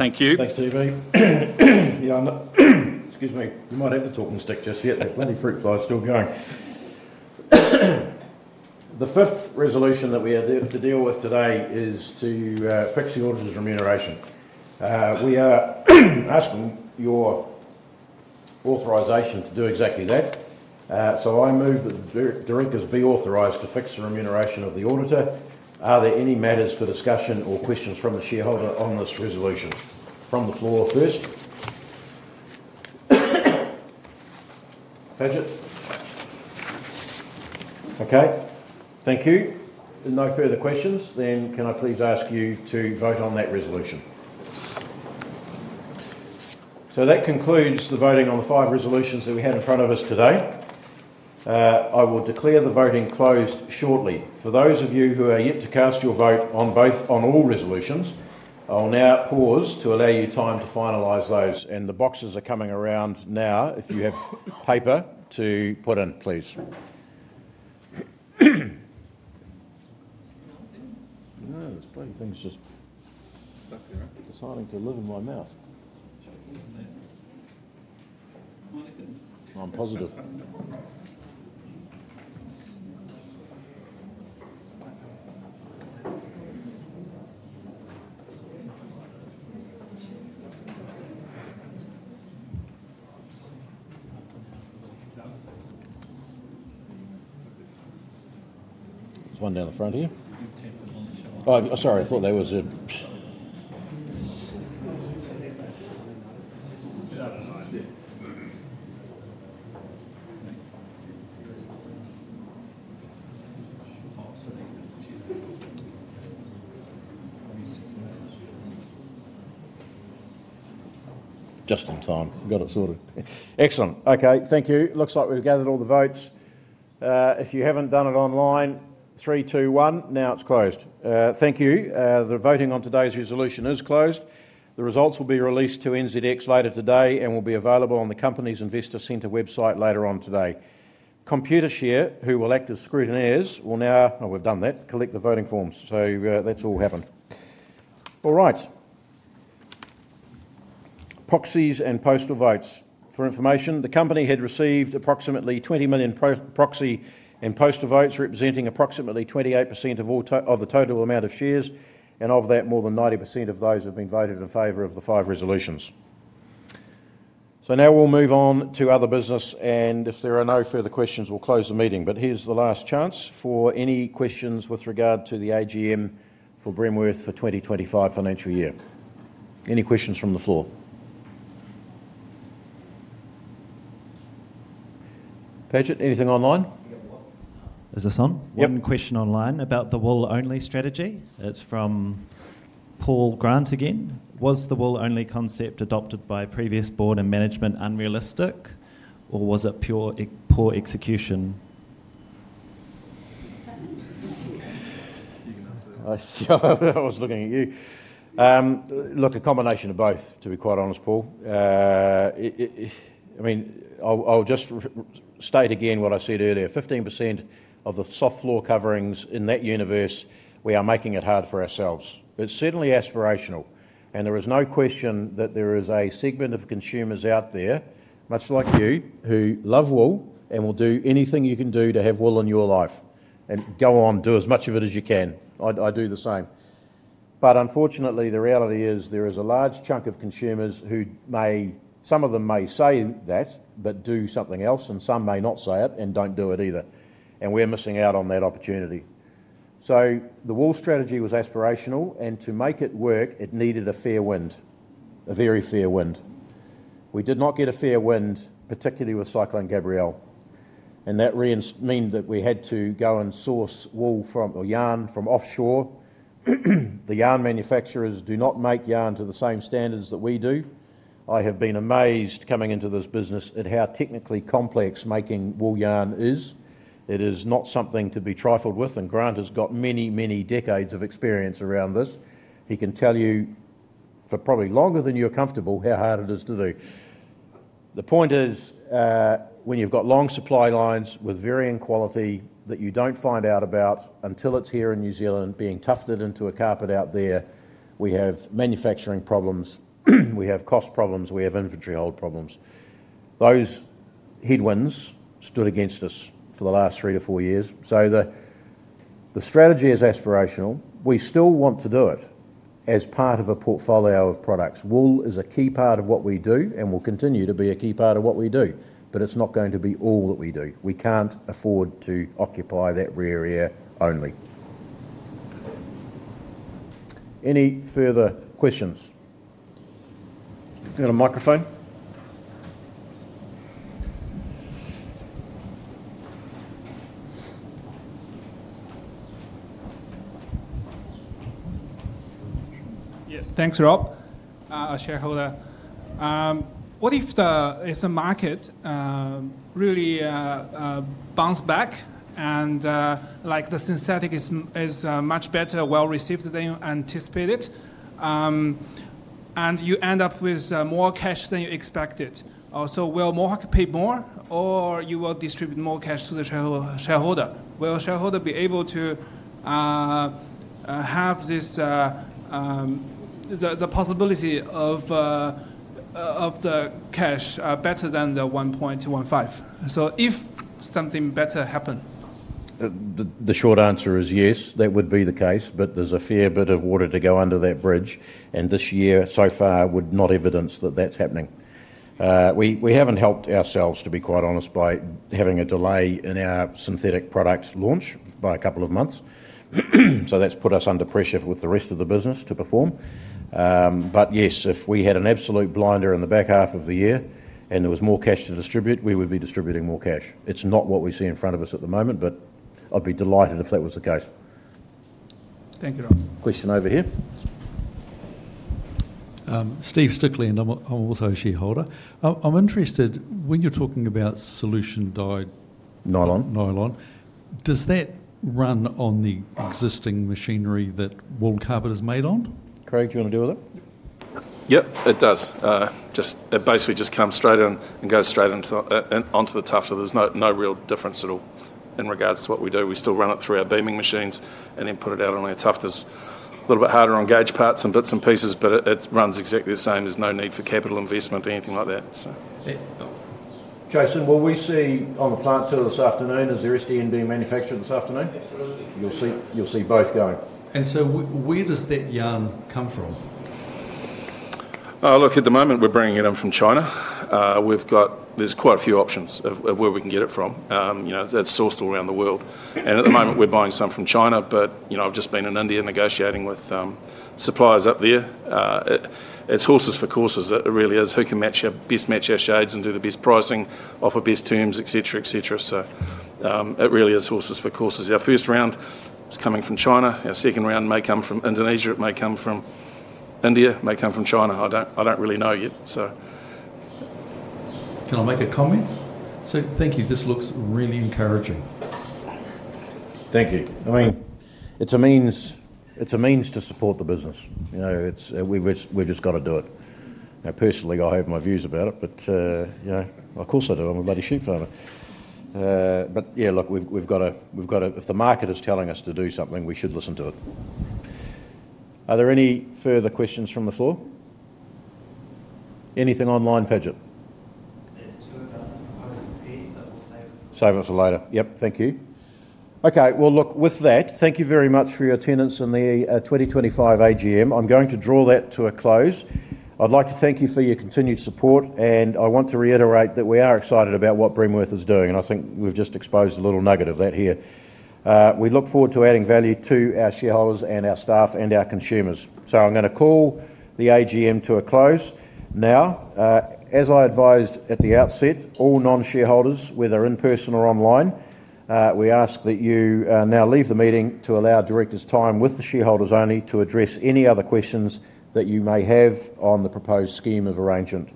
Thank you. Thanks, DV. Yeah. Excuse me. You might have the talking stick just yet. There are plenty of fruit flies still going. The fifth resolution that we are to deal with today is to fix the auditor's remuneration. We are asking your authorization to do exactly that. I move that the directors be authorized to fix the remuneration of the auditor. Are there any matters for discussion or questions from the shareholder on this resolution? From the floor first. Padget. Okay. Thank you. No further questions, then can I please ask you to vote on that resolution? That concludes the voting on the five resolutions that we had in front of us today. I will declare the voting closed shortly. For those of you who are yet to cast your vote on all resolutions, I'll now pause to allow you time to finalize those. The boxes are coming around now. If you have paper to put in, please. There are plenty of things just deciding to live in my mouth. I'm positive. There is one down the front here. Oh, sorry. I thought there was a just in time. I got it sorted. Excellent. Okay. Thank you. Looks like we've gathered all the votes. If you haven't done it online, three, two, one. Now it's closed. Thank you. The voting on today's resolution is closed. The results will be released to NZX later today and will be available on the company's investor centre website later on today. Computershare, who will act as scrutineers, will now—oh, we've done that—collect the voting forms. So that's all happened. All right. Proxies and postal votes. For information, the company had received approximately 20 million proxy and postal votes representing approximately 28% of the total amount of shares, and of that, more than 90% of those have been voted in favor of the five resolutions. Now we'll move on to other business, and if there are no further questions, we'll close the meeting. Here's the last chance for any questions with regard to the AGM for Bremworth for the 2025 financial year. Any questions from the floor? Padget, anything online? Is this on? One question online about the wool-only strategy. It's from Paul Grant again. Was the wool-only concept adopted by previous board and management unrealistic, or was it poor execution? You can answer that. I was looking at you. Look, a combination of both, to be quite honest, Paul. I mean, I'll just state again what I said earlier. 15% of the soft floor coverings in that universe, we are making it hard for ourselves. It's certainly aspirational, and there is no question that there is a segment of consumers out there, much like you, who love wool and will do anything you can do to have wool in your life, and go on, do as much of it as you can. I do the same. Unfortunately, the reality is there is a large chunk of consumers who may—some of them may say that but do something else, and some may not say it and do not do it either. We are missing out on that opportunity. The wool strategy was aspirational, and to make it work, it needed a fair wind, a very fair wind. We did not get a fair wind, particularly with Cyclone Gabrielle, and that meant that we had to go and source wool from or yarn from offshore. The yarn manufacturers do not make yarn to the same standards that we do. I have been amazed coming into this business at how technically complex making wool yarn is. It is not something to be trifled with, and Grant has got many, many decades of experience around this. He can tell you for probably longer than you're comfortable how hard it is to do. The point is when you've got long supply lines with varying quality that you do not find out about until it is here in New Zealand being tufted into a carpet out there, we have manufacturing problems. We have cost problems. We have inventory hold problems. Those headwinds stood against us for the last three to four years. The strategy is aspirational. We still want to do it as part of a portfolio of products. Wool is a key part of what we do and will continue to be a key part of what we do, but it's not going to be all that we do. We can't afford to occupy that rear ear only. Any further questions? Got a microphone. Yeah. Thanks, Rob, our shareholder. What if the market really bounces back and the synthetic is much better well received than anticipated, and you end up with more cash than you expected? Will Mohawk pay more, or will you distribute more cash to the shareholder? Will the shareholder be able to have the possibility of the cash better than the 1.15? If something better happened? The short answer is yes, that would be the case, but there's a fair bit of water to go under that bridge, and this year so far would not evidence that that's happening. We haven't helped ourselves, to be quite honest, by having a delay in our synthetic product launch by a couple of months. That has put us under pressure with the rest of the business to perform. Yes, if we had an absolute blinder in the back half of the year and there was more cash to distribute, we would be distributing more cash. It's not what we see in front of us at the moment, but I'd be delighted if that was the case. Thank you, Rob. Question over here. Steve Stickland, I'm also a shareholder. I'm interested, when you're talking about solution dyed nylon, does that run on the existing machinery that wool carpet is made on? Craig, do you want to deal with it? Yep, it does. It basically just comes straight in and goes straight onto the tufted. There's no real difference at all in regards to what we do. We still run it through our beaming machines and then put it out on our tufteds. A little bit harder on gauge parts and bits and pieces, but it runs exactly the same. There's no need for capital investment or anything like that, so. Jason, will we see on the plant tour this afternoon? Is there SDN being manufactured this afternoon? Absolutely. You'll see both going. Where does that yarn come from? Look, at the moment, we're bringing it in from China. are quite a few options of where we can get it from. That is sourced all around the world. At the moment, we are buying some from China, but I have just been in India negotiating with suppliers up there. It is horses for courses. It really is who can best match our shades and do the best pricing off of best terms, etc., etc. It really is horses for courses. Our first round is coming from China. Our second round may come from Indonesia. It may come from India. It may come from China. I do not really know yet. Can I make a comment? Thank you. This looks really encouraging. Thank you. I mean, it is a means to support the business. We have just got to do it. Personally, I have my views about it, but of course, I do. I am a bloody sheep farmer. Yeah, look, we've got to—if the market is telling us to do something, we should listen to it. Are there any further questions from the floor? Anything online, Padget? It's too much to post here, but we'll save it for later. Save it for later. Yep. Thank you. Okay. With that, thank you very much for your attendance in the 2025 AGM. I'm going to draw that to a close. I'd like to thank you for your continued support, and I want to reiterate that we are excited about what Bremworth is doing, and I think we've just exposed a little nugget of that here. We look forward to adding value to our shareholders and our staff and our consumers. I'm going to call the AGM to a close now. As I advised at the outset, all non-shareholders, whether in person or online, we ask that you now leave the meeting to allow directors time with the shareholders only to address any other questions that you may have on the proposed scheme of arrangement.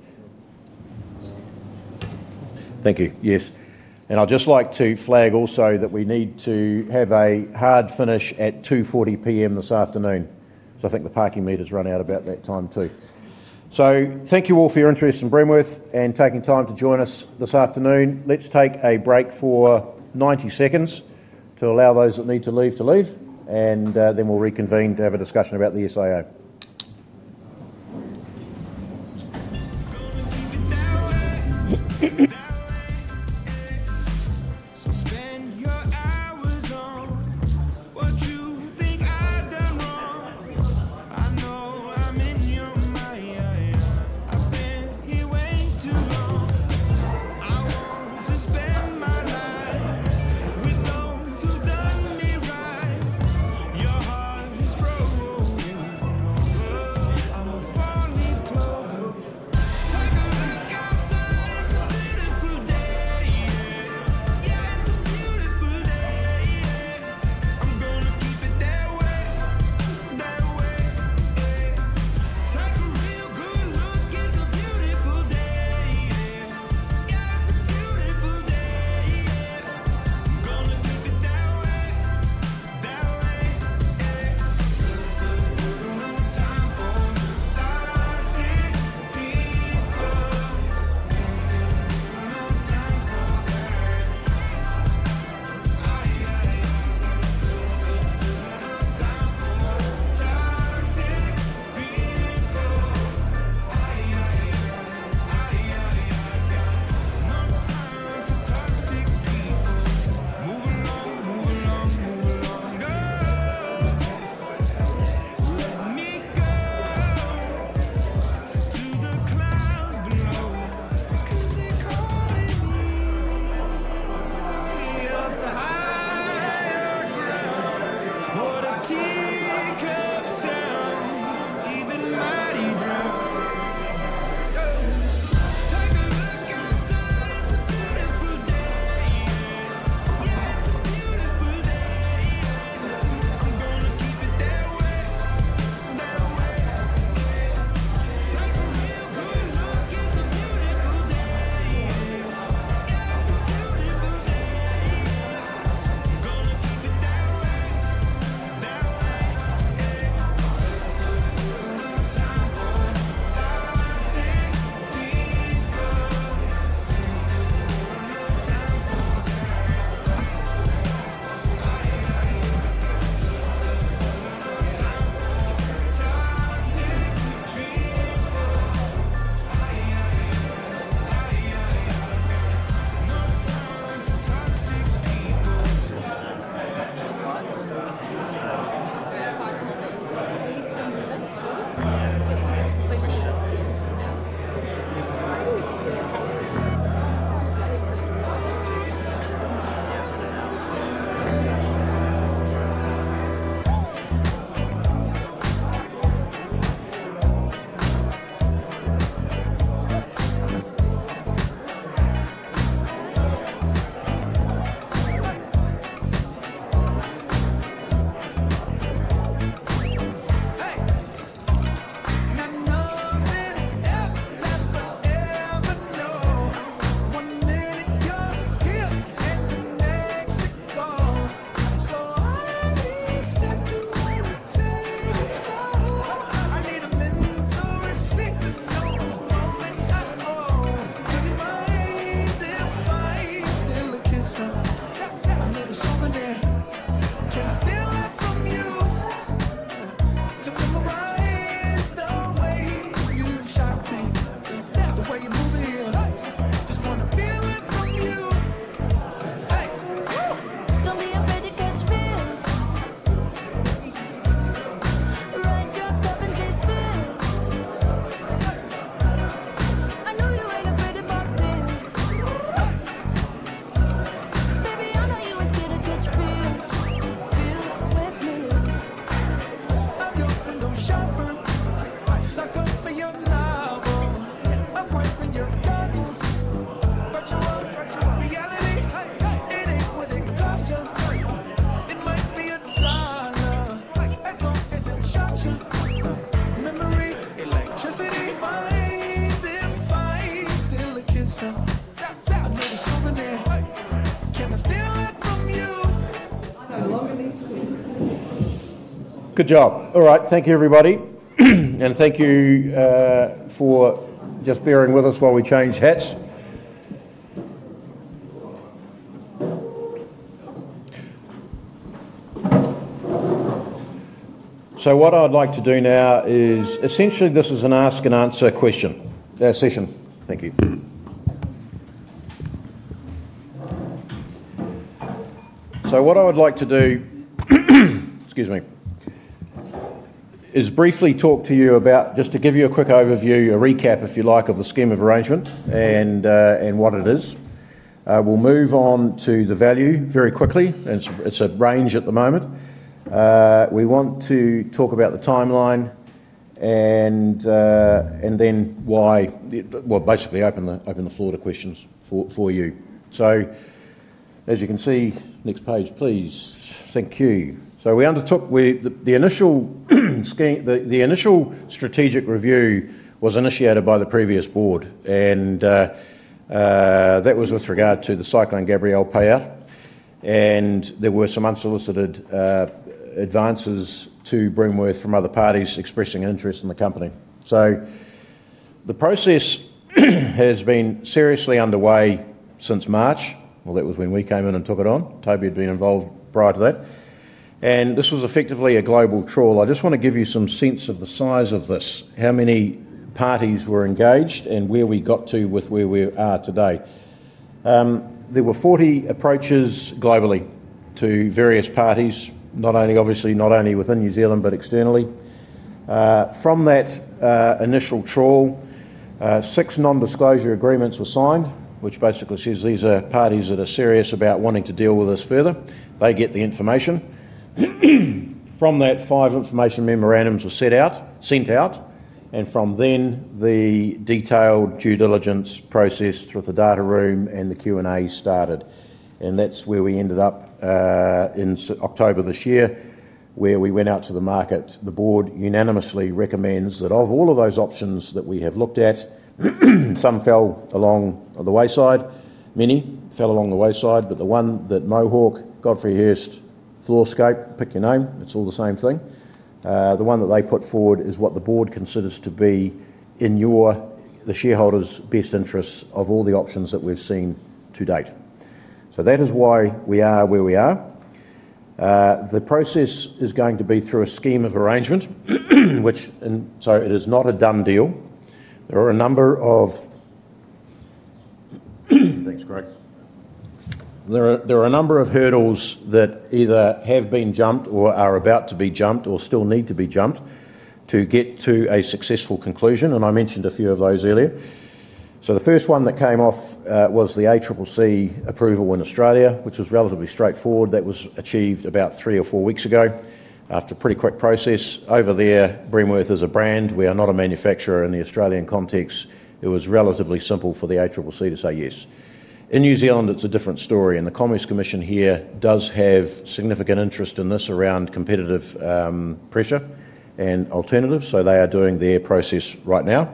Thank you. Yes. I'd just like to flag also that we need to have a hard finish at 2:40 P.M. this afternoon. I think the parking meter's run out about that time too. Thank you all for your interest in Bremworth and taking time to join us this afternoon. Let's take a break for 90 seconds to allow those that need to leave to leave, and then we'll reconvene to have a discussion about the SIO. is briefly talk to you about just to give you a quick overview, a recap, if you like, of the scheme of arrangement and what it is. We'll move on to the value very quickly. It's a range at the moment. We want to talk about the timeline and then why we'll basically open the floor to questions for you. As you can see, next page, please. Thank you. We undertook the initial strategic review, which was initiated by the previous board, and that was with regard to the Cyclone Gabrielle payout. There were some unsolicited advances to Bremworth from other parties expressing an interest in the company. The process has been seriously underway since March. That was when we came in and took it on. Toby had been involved prior to that. This was effectively a global trawl. I just want to give you some sense of the size of this, how many parties were engaged, and where we got to with where we are today. There were 40 approaches globally to various parties, obviously not only within New Zealand, but externally. From that initial trawl, six non-disclosure agreements were signed, which basically says these are parties that are serious about wanting to deal with us further. They get the information. From that, five information memorandums were sent out. From then, the detailed due diligence process through the data room and the Q&A started. That is where we ended up in October this year, where we went out to the market. The board unanimously recommends that of all of those options that we have looked at, some fell along the wayside. Many fell along the wayside, but the one that Mohawk, Godfrey Hirst, Floorscape, pick your name, it is all the same thing. The one that they put forward is what the board considers to be in the shareholders' best interests of all the options that we have seen to date. That is why we are where we are. The process is going to be through a scheme of arrangement, which, so it is not a done deal. There are a number of, thanks, Craig. There are a number of hurdles that either have been jumped or are about to be jumped or still need to be jumped to get to a successful conclusion. I mentioned a few of those earlier. The first one that came off was the ACCC approval in Australia, which was relatively straightforward. That was achieved about three or four weeks ago after a pretty quick process. Over there, Bremworth is a brand. We are not a manufacturer in the Australian context. It was relatively simple for the ACCC to say yes. In New Zealand, it's a different story. The Commerce Commission here does have significant interest in this around competitive pressure and alternatives. They are doing their process right now.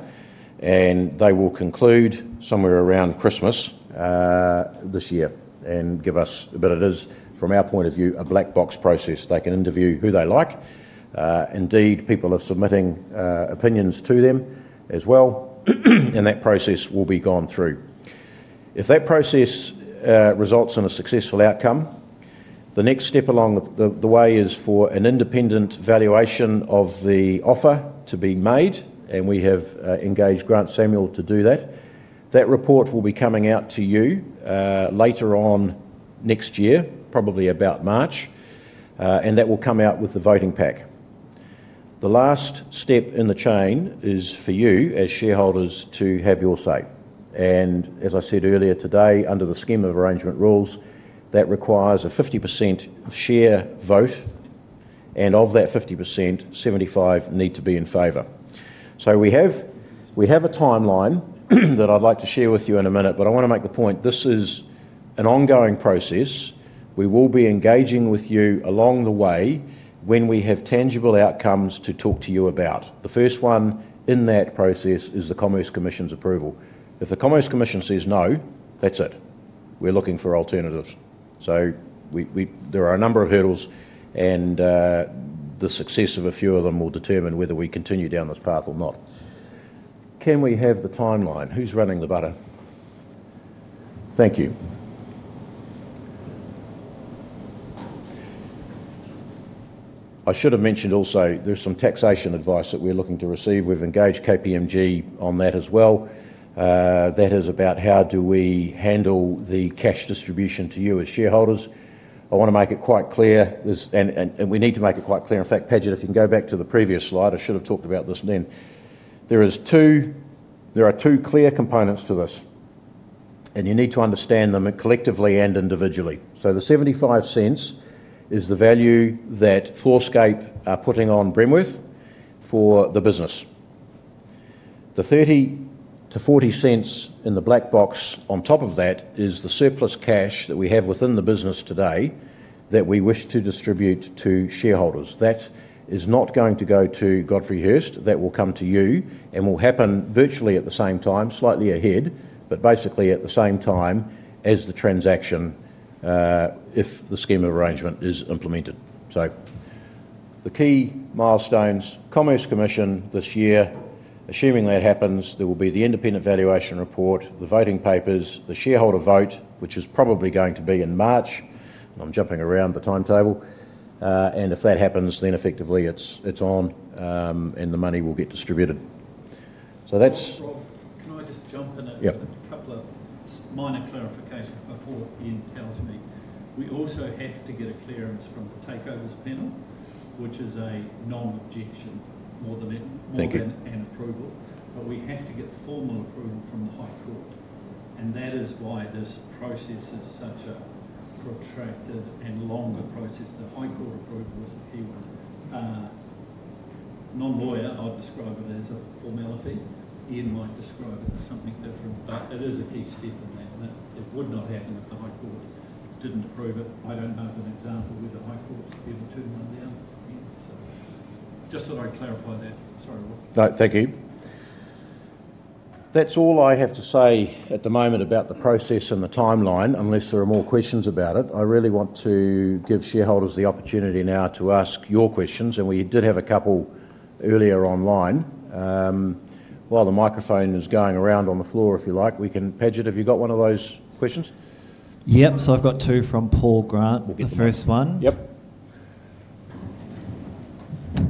They will conclude somewhere around Christmas this year and give us, but it is, from our point of view, a black box process. They can interview who they like. Indeed, people are submitting opinions to them as well. That process will be gone through. If that process results in a successful outcome, the next step along the way is for an independent valuation of the offer to be made. We have engaged Grant Samuel to do that. That report will be coming out to you later on next year, probably about March. That will come out with the voting pack. The last step in the chain is for you as shareholders to have your say. As I said earlier today, under the scheme of arrangement rules, that requires a 50% share vote. Of that 50%, 75% need to be in favor. We have a timeline that I'd like to share with you in a minute, but I want to make the point. This is an ongoing process. We will be engaging with you along the way when we have tangible outcomes to talk to you about. The first one in that process is the Commerce Commission's approval. If the Commerce Commission says no, that's it. We're looking for alternatives. There are a number of hurdles, and the success of a few of them will determine whether we continue down this path or not. Can we have the timeline? Who's running the butter? Thank you. I should have mentioned also there's some taxation advice that we're looking to receive. We've engaged KPMG on that as well. That is about how do we handle the cash distribution to you as shareholders. I want to make it quite clear, and we need to make it quite clear. In fact, Padget, if you can go back to the previous slide, I should have talked about this then. There are two clear components to this, and you need to understand them collectively and individually. So the $0.75 is the value that Floorscape are putting on Bremworth for the business. The $0.30-$0.40 in the black box on top of that is the surplus cash that we have within the business today that we wish to distribute to shareholders. That is not going to go to Godfrey Hirst. That will come to you and will happen virtually at the same time, slightly ahead, but basically at the same time as the transaction if the scheme of arrangement is implemented. The key milestones, Commerce Commission this year, assuming that happens, there will be the independent valuation report, the voting papers, the shareholder vote, which is probably going to be in March. I'm jumping around the timetable. If that happens, then effectively it's on and the money will get distributed. Rob, can I just jump in and add a couple of minor clarifications before Ian tells me? We also have to get a clearance from the takeovers panel, which is a non-objection more than an approval. We have to get formal approval from the High Court. That is why this process is such a protracted and longer process. The High Court approval is the key one. Non-lawyer, I'll describe it as a formality. Ian might describe it as something different, but it is a key step in that. It would not happen if the High Court did not approve it. I do not know of an example where the High Court has ever turned one down. Just that I clarify that. Sorry, Rob. Thank you. That is all I have to say at the moment about the process and the timeline, unless there are more questions about it. I really want to give shareholders the opportunity now to ask your questions. We did have a couple earlier online. While the microphone is going around on the floor, if you like, we can—Padget, have you got one of those questions? Yes. I have two from Paul Grant. The first one.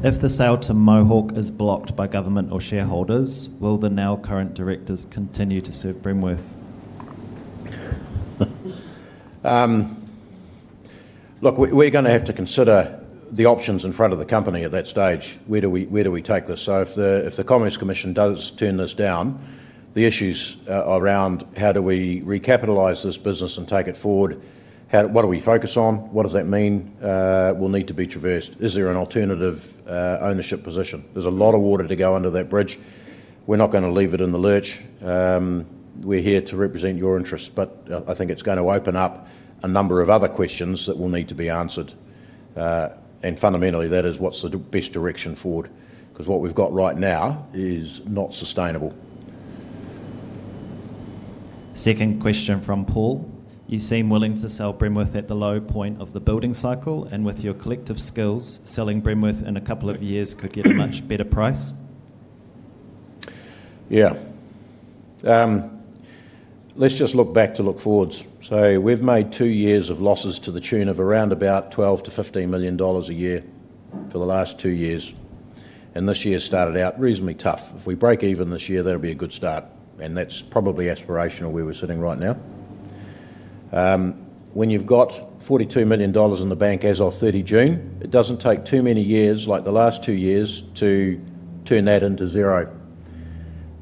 Yes. If the sale to Mohawk is blocked by government or shareholders, will the now current directors continue to serve Bremworth? Look, we are going to have to consider the options in front of the company at that stage. Where do we take this? If the Commerce Commission does turn this down, the issues around how do we recapitalize this business and take it forward, what do we focus on? What does that mean will need to be traversed? Is there an alternative ownership position? There is a lot of water to go under that bridge. We are not going to leave it in the lurch. We are here to represent your interests, but I think it is going to open up a number of other questions that will need to be answered. Fundamentally, that is what is the best direction forward because what we have got right now is not sustainable. Second question from Paul. You seem willing to sell Bremworth at the low point of the building cycle. With your collective skills, selling Bremworth in a couple of years could get a much better price. Yeah. Let's just look back to look forwards. We've made two years of losses to the tune of around $12 million-$15 million a year for the last two years. This year started out reasonably tough. If we break even this year, that'll be a good start. That's probably aspirational where we're sitting right now. When you've got 42 million dollars in the bank as of 30 June, it doesn't take too many years, like the last two years, to turn that into zero.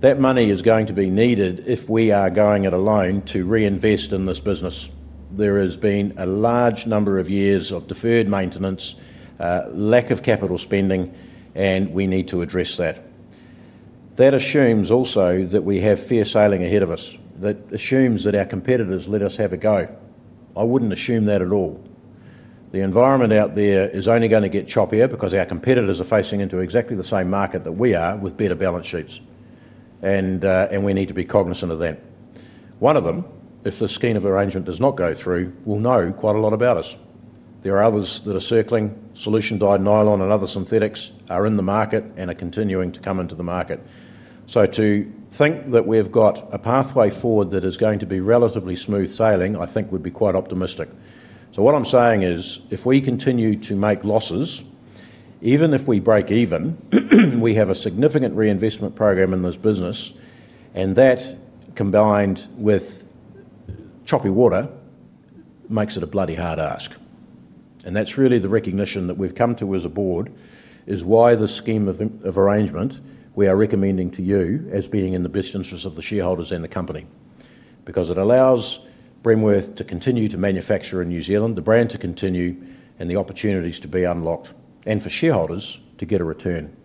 That money is going to be needed if we are going it alone to reinvest in this business. There has been a large number of years of deferred maintenance, lack of capital spending, and we need to address that. That assumes also that we have fair sailing ahead of us. That assumes that our competitors let us have a go. I would not assume that at all. The environment out there is only going to get choppier because our competitors are facing into exactly the same market that we are with better balance sheets. We need to be cognizant of that. One of them, if the scheme of arrangement does not go through, will know quite a lot about us. There are others that are circling, solution-dyed nylon and other synthetics are in the market and are continuing to come into the market. To think that we have got a pathway forward that is going to be relatively smooth sailing, I think would be quite optimistic. What I am saying is if we continue to make losses, even if we break even, we have a significant reinvestment program in this business. That combined with choppy water makes it a bloody hard ask. That is really the recognition that we have come to as a board, which is why the scheme of arrangement we are recommending to you is in the best interest of the shareholders and the company. It allows Bremworth to continue to manufacture in New Zealand, the brand to continue, and the opportunities to be unlocked and for shareholders to get a return.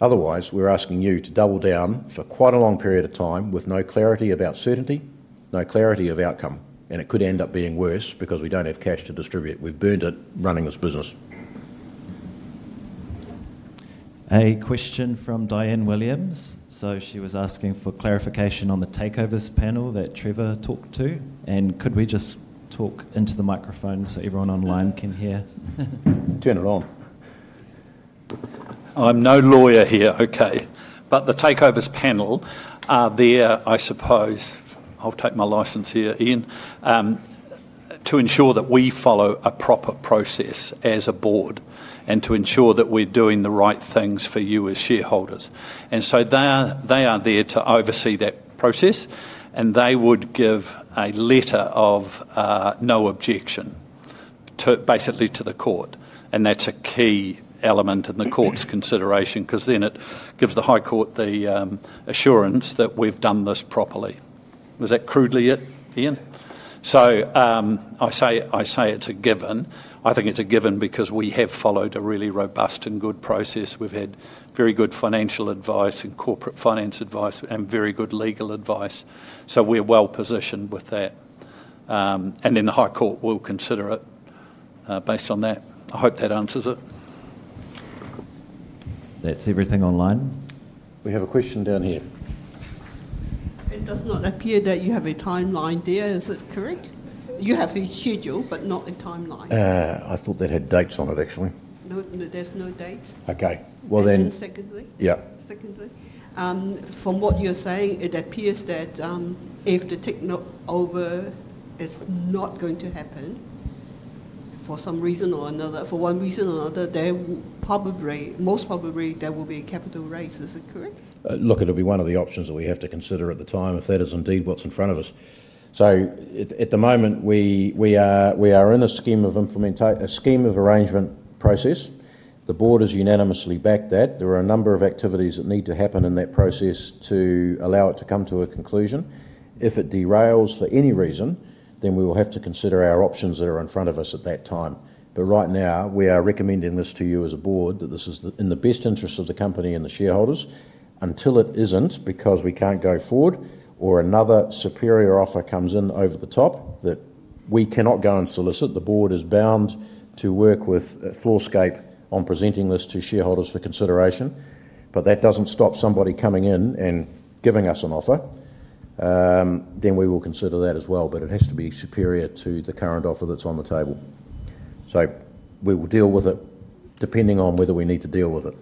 Otherwise, we are asking you to double down for quite a long period of time with no clarity about certainty, no clarity of outcome. It could end up being worse because we do not have cash to distribute. We have burned it running this business. A question from Dianne Williams. She was asking for clarification on the takeovers panel that Trevor talked to. Could we just talk into the microphone so everyone online can hear? Turn it on. I am no lawyer here, okay? The takeovers panel are there, I suppose. I'll take my license here, Ian, to ensure that we follow a proper process as a board and to ensure that we're doing the right things for you as shareholders. They are there to oversee that process. They would give a letter of no objection basically to the court. That's a key element in the court's consideration because then it gives the High Court the assurance that we've done this properly. Was that crudely it, Ian? I say it's a given. I think it's a given because we have followed a really robust and good process. We've had very good financial advice and corporate finance advice and very good legal advice. We're well positioned with that. The High Court will consider it based on that. I hope that answers it. That's everything online. We have a question down here. It does not appear that you have a timeline there, is it correct? You have a schedule, but not a timeline. I thought that had dates on it, actually. There are no dates. Okay. Secondly. Yep. Secondly. From what you're saying, it appears that if the techno over is not going to happen for some reason or another, for one reason or another, most probably there will be a capital raise. Is it correct? Look, it'll be one of the options that we have to consider at the time if that is indeed what's in front of us. At the moment, we are in a scheme of arrangement process. The board has unanimously backed that. There are a number of activities that need to happen in that process to allow it to come to a conclusion. If it derails for any reason, then we will have to consider our options that are in front of us at that time. Right now, we are recommending this to you as a board that this is in the best interest of the company and the shareholders until it is not because we cannot go forward or another superior offer comes in over the top that we cannot go and solicit. The board is bound to work with Floorscape on presenting this to shareholders for consideration. That does not stop somebody coming in and giving us an offer. We will consider that as well. It has to be superior to the current offer that is on the table. We will deal with it depending on whether we need to deal with it.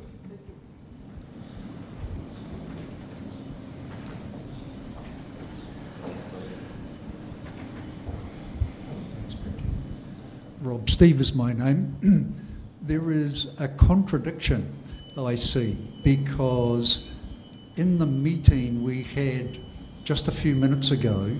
Rob Steve is my name. There is a contradiction I see because in the meeting we had just a few minutes ago,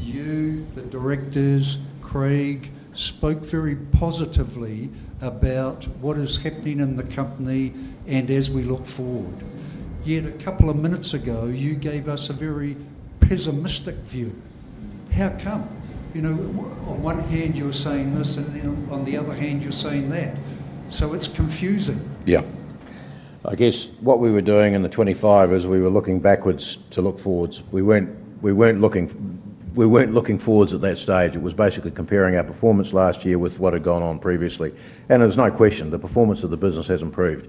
you, the directors, Craig, spoke very positively about what is happening in the company and as we look forward. Yet a couple of minutes ago, you gave us a very pessimistic view. How come? On one hand, you're saying this, and then on the other hand, you're saying that. It is confusing. Yeah. I guess what we were doing in the 25 is we were looking backwards to look forwards. We were not looking forwards at that stage. It was basically comparing our performance last year with what had gone on previously. There is no question the performance of the business has improved.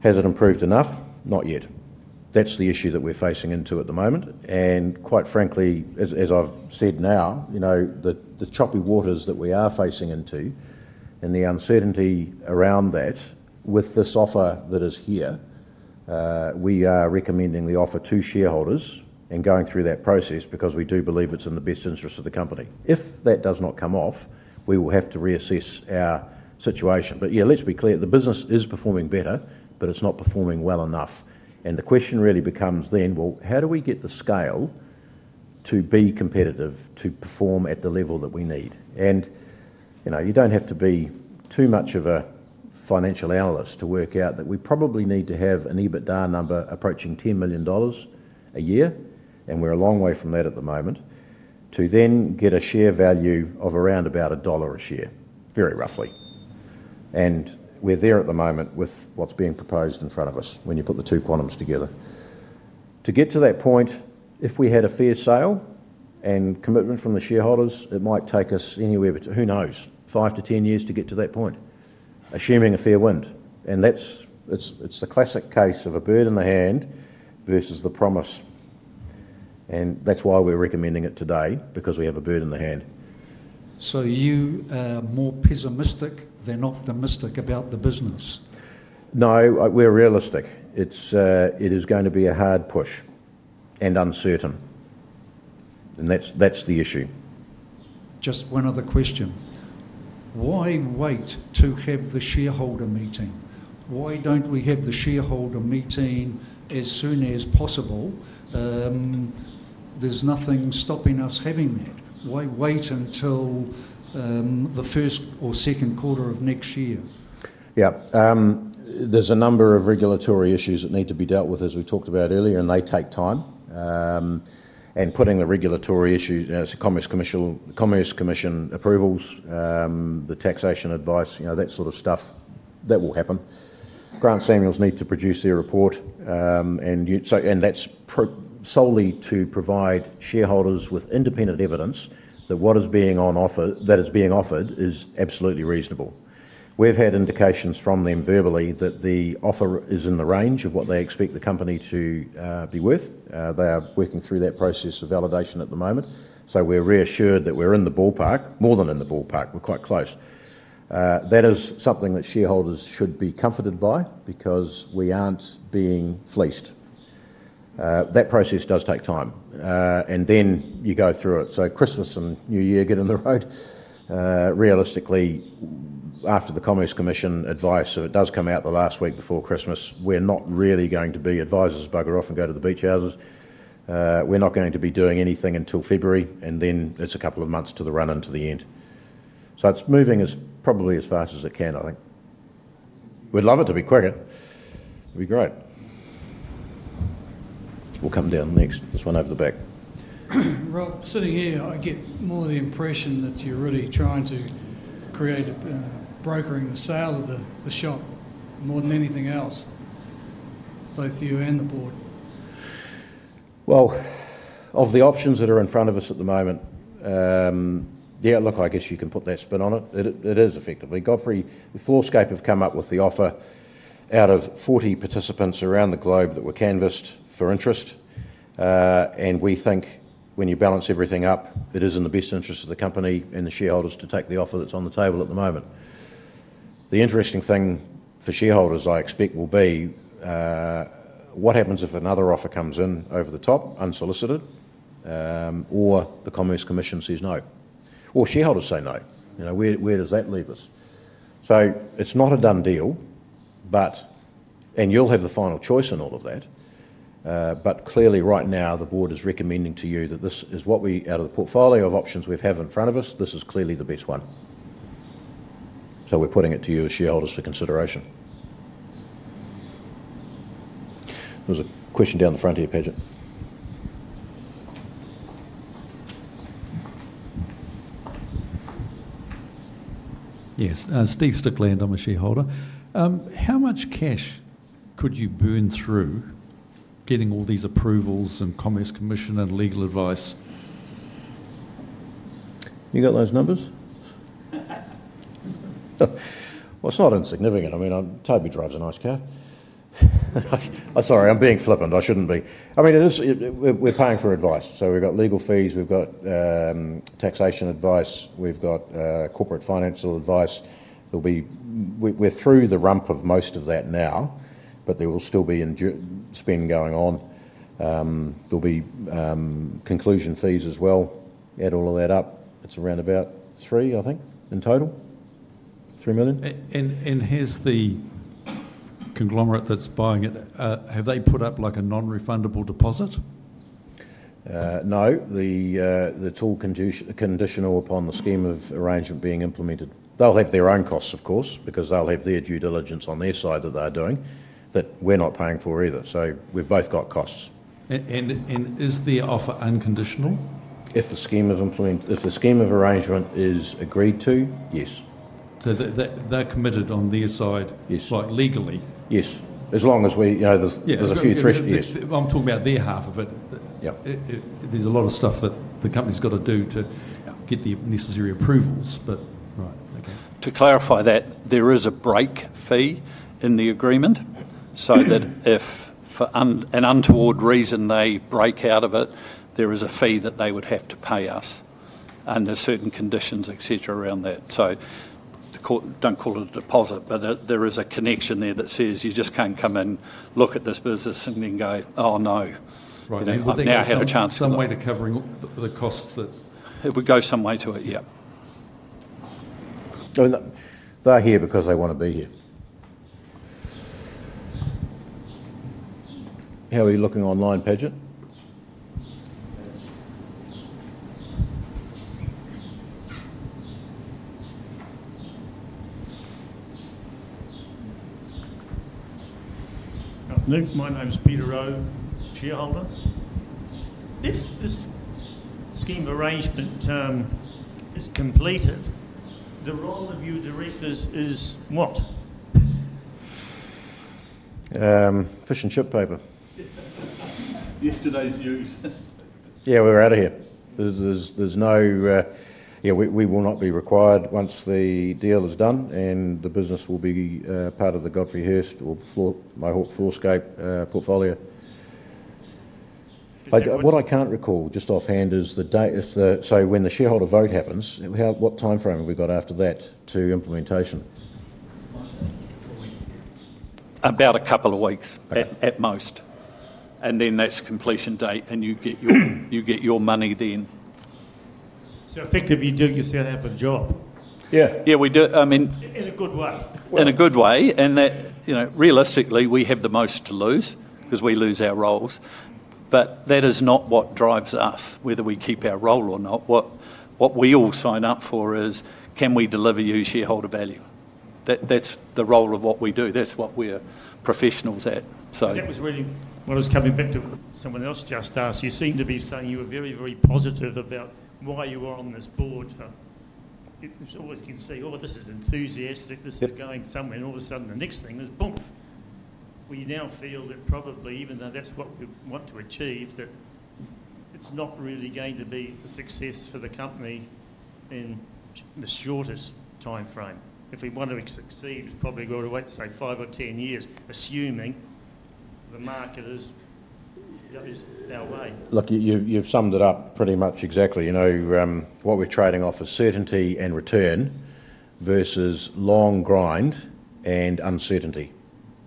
Has it improved enough? Not yet. That is the issue that we are facing into at the moment. Quite frankly, as I've said now, the choppy waters that we are facing into and the uncertainty around that, with this offer that is here, we are recommending the offer to shareholders and going through that process because we do believe it's in the best interest of the company. If that does not come off, we will have to reassess our situation. Yeah, let's be clear. The business is performing better, but it's not performing well enough. The question really becomes then, well, how do we get the scale to be competitive to perform at the level that we need? You do not have to be too much of a financial analyst to work out that we probably need to have an EBITDA number approaching $10 million a year, and we are a long way from that at the moment, to then get a share value of around about $1 a share, very roughly. We are there at the moment with what is being proposed in front of us when you put the two quantums together. To get to that point, if we had a fair sale and commitment from the shareholders, it might take us anywhere between, who knows, 5-10 years to get to that point, assuming a fair wind. It is the classic case of a bird in the hand versus the promise. That is why we are recommending it today because we have a bird in the hand. You are more pessimistic than optimistic about the business? No, we're realistic. It is going to be a hard push and uncertain. That is the issue. Just one other question. Why wait to have the shareholder meeting? Why don't we have the shareholder meeting as soon as possible? There is nothing stopping us having that. Why wait until the first or second quarter of next year? Yeah. There are a number of regulatory issues that need to be dealt with, as we talked about earlier, and they take time. Putting the regulatory issues, the Commerce Commission approvals, the taxation advice, that sort of stuff, that will happen. Grant Samuels need to produce their report. That is solely to provide shareholders with independent evidence that what is being offered is absolutely reasonable. We've had indications from them verbally that the offer is in the range of what they expect the company to be worth. They are working through that process of validation at the moment. We're reassured that we're in the ballpark, more than in the ballpark. We're quite close. That is something that shareholders should be comforted by because we aren't being fleeced. That process does take time. You go through it. Christmas and New Year get in the road. Realistically, after the Commerce Commission advice, if it does come out the last week before Christmas, we're not really going to be—advisors bugger off and go to the beach houses. We're not going to be doing anything until February. Then it's a couple of months to the run into the end. It's moving as probably as fast as it can, I think. We'd love it to be quicker. It'd be great. We'll come down next. There's one over the back. Rob, sitting here, I get more the impression that you're really trying to create a brokering the sale of the shop more than anything else, both you and the board. Of the options that are in front of us at the moment, yeah, look, I guess you can put that spin on it. It is effectively. Godfrey Hirst, Floorscape have come up with the offer out of 40 participants around the globe that were canvassed for interest. We think when you balance everything up, it is in the best interest of the company and the shareholders to take the offer that's on the table at the moment. The interesting thing for shareholders, I expect, will be what happens if another offer comes in over the top, unsolicited, or the Commerce Commission says no. Or shareholders say no. Where does that leave us? It is not a done deal, and you'll have the final choice in all of that. Clearly, right now, the board is recommending to you that this is what we, out of the portfolio of options we have in front of us, this is clearly the best one. We are putting it to you as shareholders for consideration. There's a question down the front here, Padget. Yes. Steve Stickland, I'm a shareholder. How much cash could you burn through getting all these approvals and Commerce Commission and legal advice? You got those numbers? It is not insignificant. I mean, Toby drives a nice car. Sorry, I'm being flippant. I shouldn't be. I mean, we're paying for advice. So we've got legal fees, we've got taxation advice, we've got corporate financial advice. We're through the rump of most of that now, but there will still be spend going on. There'll be conclusion fees as well. Add all of that up, it's around about three, I think, in total. 3 million. And has the conglomerate that's buying it, have they put up like a non-refundable deposit? No. It's all conditional upon the scheme of arrangement being implemented. They'll have their own costs, of course, because they'll have their due diligence on their side that they're doing that we're not paying for either. We've both got costs. Is the offer unconditional? If the scheme of arrangement is agreed to, yes. They're committed on their side legally? Yes. As long as there's a few threats. Yes. I'm talking about their half of it. There's a lot of stuff that the company's got to do to get the necessary approvals. Right. Okay. To clarify that, there is a break fee in the agreement so that if for an untoward reason they break out of it, there is a fee that they would have to pay us. And there are certain conditions, etc., around that. Do not call it a deposit, but there is a connection there that says you just can't come and look at this business and then go, "Oh, no." I think that's some way to covering the costs. It would go some way to it, yeah. They're here because they want to be here. How are you looking online, Padget? My name's Peter Oh, shareholder. If this scheme arrangement is completed, the role of you directors is what? Fish and chip paper. Yesterday's news. Yeah, we're out of here. There's no, yeah, we will not be required once the deal is done, and the business will be part of the Godfrey Hirst or my Floorscape portfolio. What I can't recall just offhand is the date of the, so when the shareholder vote happens, what timeframe have we got after that to implementation? About a couple of weeks at most. That is completion date, and you get your money then. Effectively, you do your set up a job. Yeah. Yeah, we do. I mean, in a good way. In a good way. Realistically, we have the most to lose because we lose our roles. That is not what drives us, whether we keep our role or not. What we all sign up for is, can we deliver you shareholder value? That's the role of what we do. That's what we're professionals at. That was really when I was coming back to. Someone else just asked, you seem to be saying you were very, very positive about why you were on this board for. It's always good to see, "Oh, this is enthusiastic. This is going somewhere." All of a sudden, the next thing is, boom. We now feel that probably, even though that's what we want to achieve, that it's not really going to be a success for the company in the shortest timeframe. If we want to succeed, it's probably going to wait, say, 5 or 10 years, assuming the market is our way. Look, you've summed it up pretty much exactly. What we're trading off is certainty and return versus long grind and uncertainty.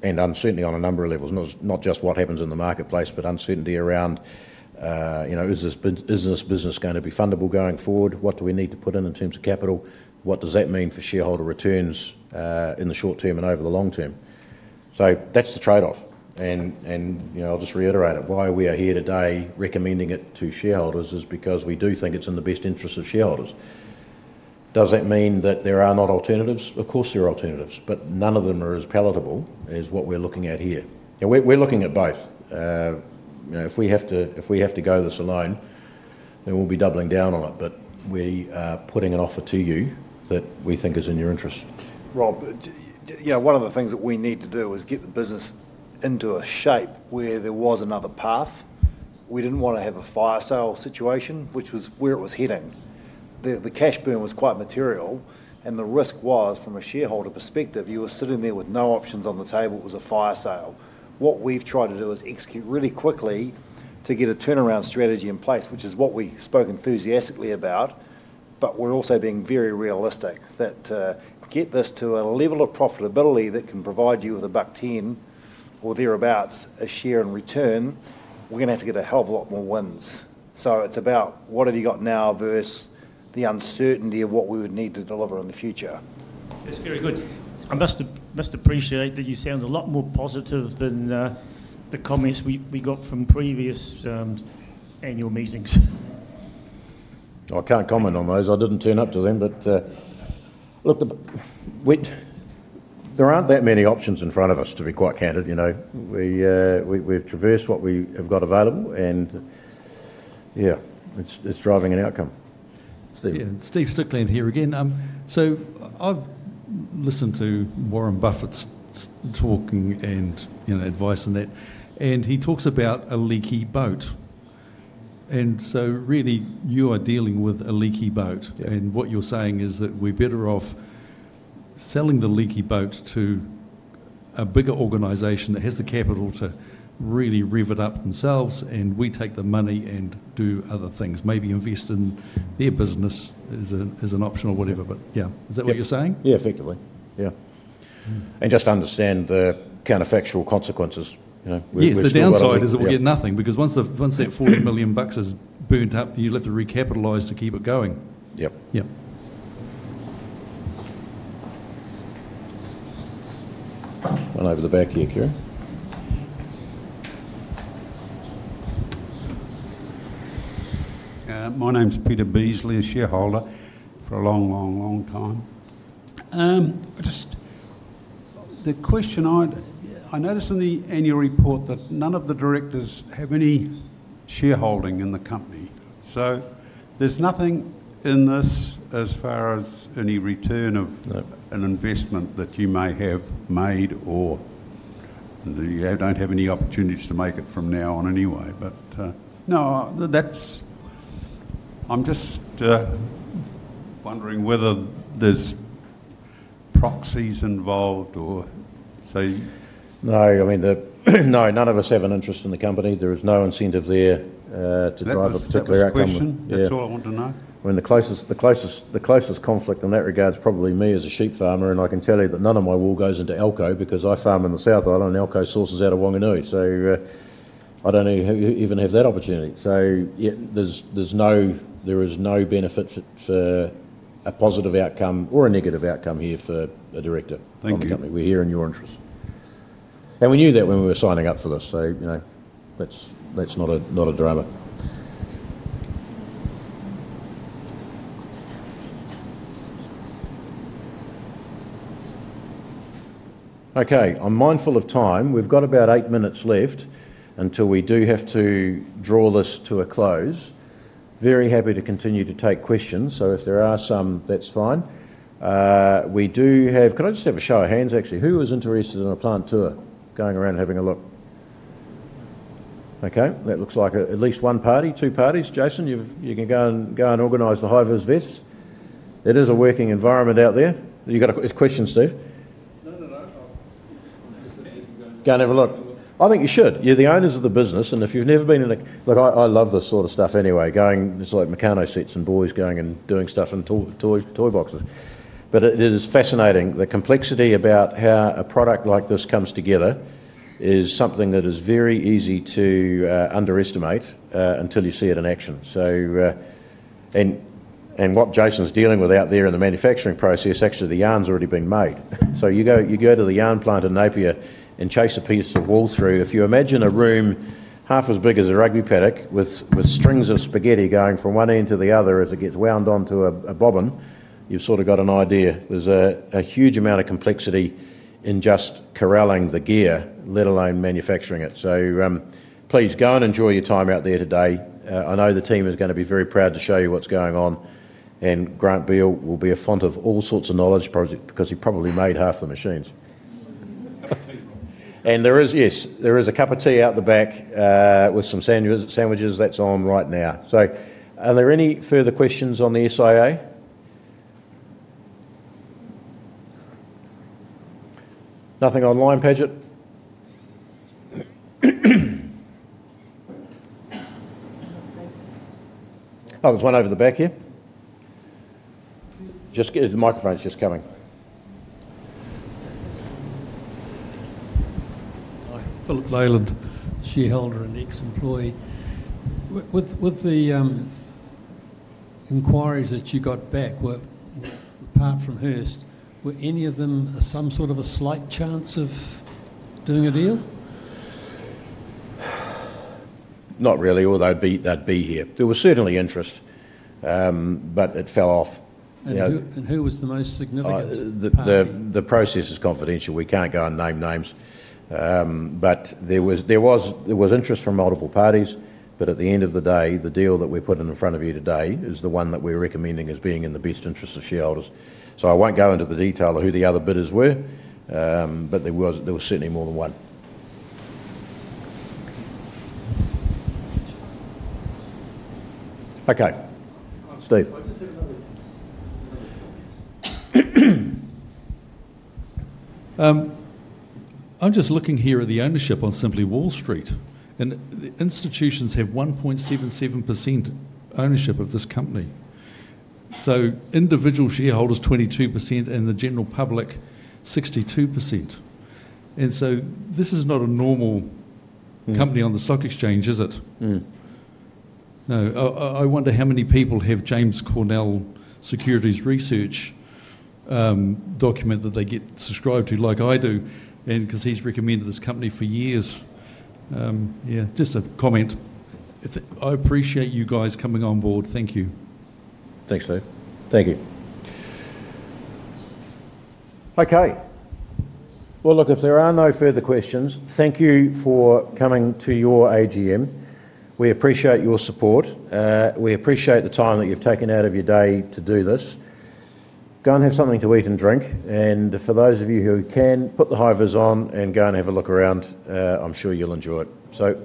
Uncertainty on a number of levels, not just what happens in the marketplace, but uncertainty around, is this business going to be fundable going forward? What do we need to put in in terms of capital? What does that mean for shareholder returns in the short term and over the long term? That is the trade-off. I will just reiterate it. Why we are here today recommending it to shareholders is because we do think it is in the best interest of shareholders. Does that mean that there are not alternatives? Of course, there are alternatives, but none of them are as palatable as what we are looking at here. We are looking at both. If we have to go this alone, then we will be doubling down on it. We are putting an offer to you that we think is in your interest. Rob, one of the things that we need to do is get the business into a shape where there was another path. We did not want to have a fire sale situation, which was where it was heading. The cash burn was quite material. The risk was, from a shareholder perspective, you were sitting there with no options on the table. It was a fire sale. What we have tried to do is execute really quickly to get a turnaround strategy in place, which is what we spoke enthusiastically about. We are also being very realistic that to get this to a level of profitability that can provide you with $1.10 or thereabouts a share in return, we are going to have to get a hell of a lot more wins. It's about what have you got now versus the uncertainty of what we would need to deliver in the future. That's very good. I must appreciate that you sound a lot more positive than the comments we got from previous annual meetings. I can't comment on those. I didn't turn up to them. Look, there aren't that many options in front of us, to be quite candid. We've traversed what we have got available, and yeah, it's driving an outcome. Yeah. Steve Stickland here again. I've listened to Warren Buffett's talking and advice and that. He talks about a leaky boat. Really, you are dealing with a leaky boat. What you are saying is that we are better off selling the leaky boat to a bigger organization that has the capital to really rev it up themselves, and we take the money and do other things. Maybe invest in their business as an option or whatever. Yeah, is that what you are saying? Yeah, effectively. Yeah. Just understand the counterfactual consequences. The downside is that we get nothing because once that 40 million bucks is burnt up, you will have to recapitalize to keep it going. Yep. One over the back here, Kerry. My name is Peter Beasley, a shareholder for a long, long, long time. The question, I noticed in the annual report that none of the directors have any shareholding in the company. There is nothing in this as far as any return of an investment that you may have made or that you do not have any opportunities to make it from now on anyway. I am just wondering whether there are proxies involved or say. No, I mean, none of us have an interest in the company. There is no incentive there to drive a particular outcome. That is a good question. That is all I want to know. I mean, the closest conflict in that regard is probably me as a sheep farmer. I can tell you that none of my wool goes into Elco because I farm in the South Island and Elco sources out of Whanganui. I do not even have that opportunity. There is no benefit for a positive outcome or a negative outcome here for a director of a company. We are here in your interest. We knew that when we were signing up for this. That's not a drama. Okay. I'm mindful of time. We've got about eight minutes left until we do have to draw this to a close. Very happy to continue to take questions. If there are some, that's fine. Can I just have a show of hands, actually? Who is interested in a plant tour? Going around and having a look. Okay. That looks like at least one party, two parties. Jason, you can go and organize the hivers for this. It is a working environment out there. You got questions, Steve? No, no, no. Just go and have a look. I think you should. You're the owners of the business. If you've never been in, have a look. I love this sort of stuff anyway. It's like Meccano sets and boys going and doing stuff in toy boxes. It is fascinating. The complexity about how a product like this comes together is something that is very easy to underestimate until you see it in action. What Jason's dealing with out there in the manufacturing process, actually, the yarn's already being made. You go to the yarn plant in Napier and chase a piece of wool through. If you imagine a room half as big as a rugby paddock with strings of spaghetti going from one end to the other as it gets wound onto a bobbin, you've sort of got an idea. There's a huge amount of complexity in just corralling the gear, let alone manufacturing it. Please go and enjoy your time out there today. I know the team is going to be very proud to show you what's going on. Grant Beale will be a font of all sorts of knowledge because he probably made half the machines. Yes, there is a cup of tea out the back with some sandwiches that's on right now. Are there any further questions on the SIA? Nothing online, Padget? Oh, there's one over the back here. The microphone's just coming. Hi. Philip Leland, shareholder and ex-employee. With the inquiries that you got back apart from Hearst, were any of them some sort of a slight chance of doing a deal? Not really, although they'd be here. There was certainly interest, but it fell off. Who was the most significant? The process is confidential. We can't go and name names. There was interest from multiple parties. At the end of the day, the deal that we put in front of you today is the one that we're recommending as being in the best interest of shareholders. I won't go into the detail of who the other bidders were, but there was certainly more than one. Okay. Steve. I'm just looking here at the ownership on Simply Wall Street. The institutions have 1.77% ownership of this company. Individual shareholders 22% and the general public 62%. This is not a normal company on the stock exchange, is it? No. I wonder how many people have James Cornell Securities Research document that they get subscribed to like I do because he's recommended this company for years. Yeah. Just a comment. I appreciate you guys coming on board. Thank you. Thanks, Steve. Thank you. Okay. If there are no further questions, thank you for coming to your AGM. We appreciate your support. We appreciate the time that you've taken out of your day to do this. Go and have something to eat and drink. For those of you who can, put the hivers on and go and have a look around. I'm sure you'll enjoy it.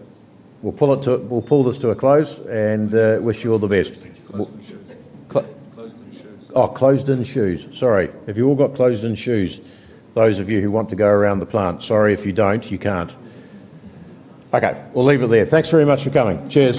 We'll pull this to a close and wish you all the best. Close it in shoes. Oh, close it in shoes. Sorry. If you all got close it in shoes, those of you who want to go around the plant, sorry if you don't. You can't. We'll leave it there. Thanks very much for coming. Cheers.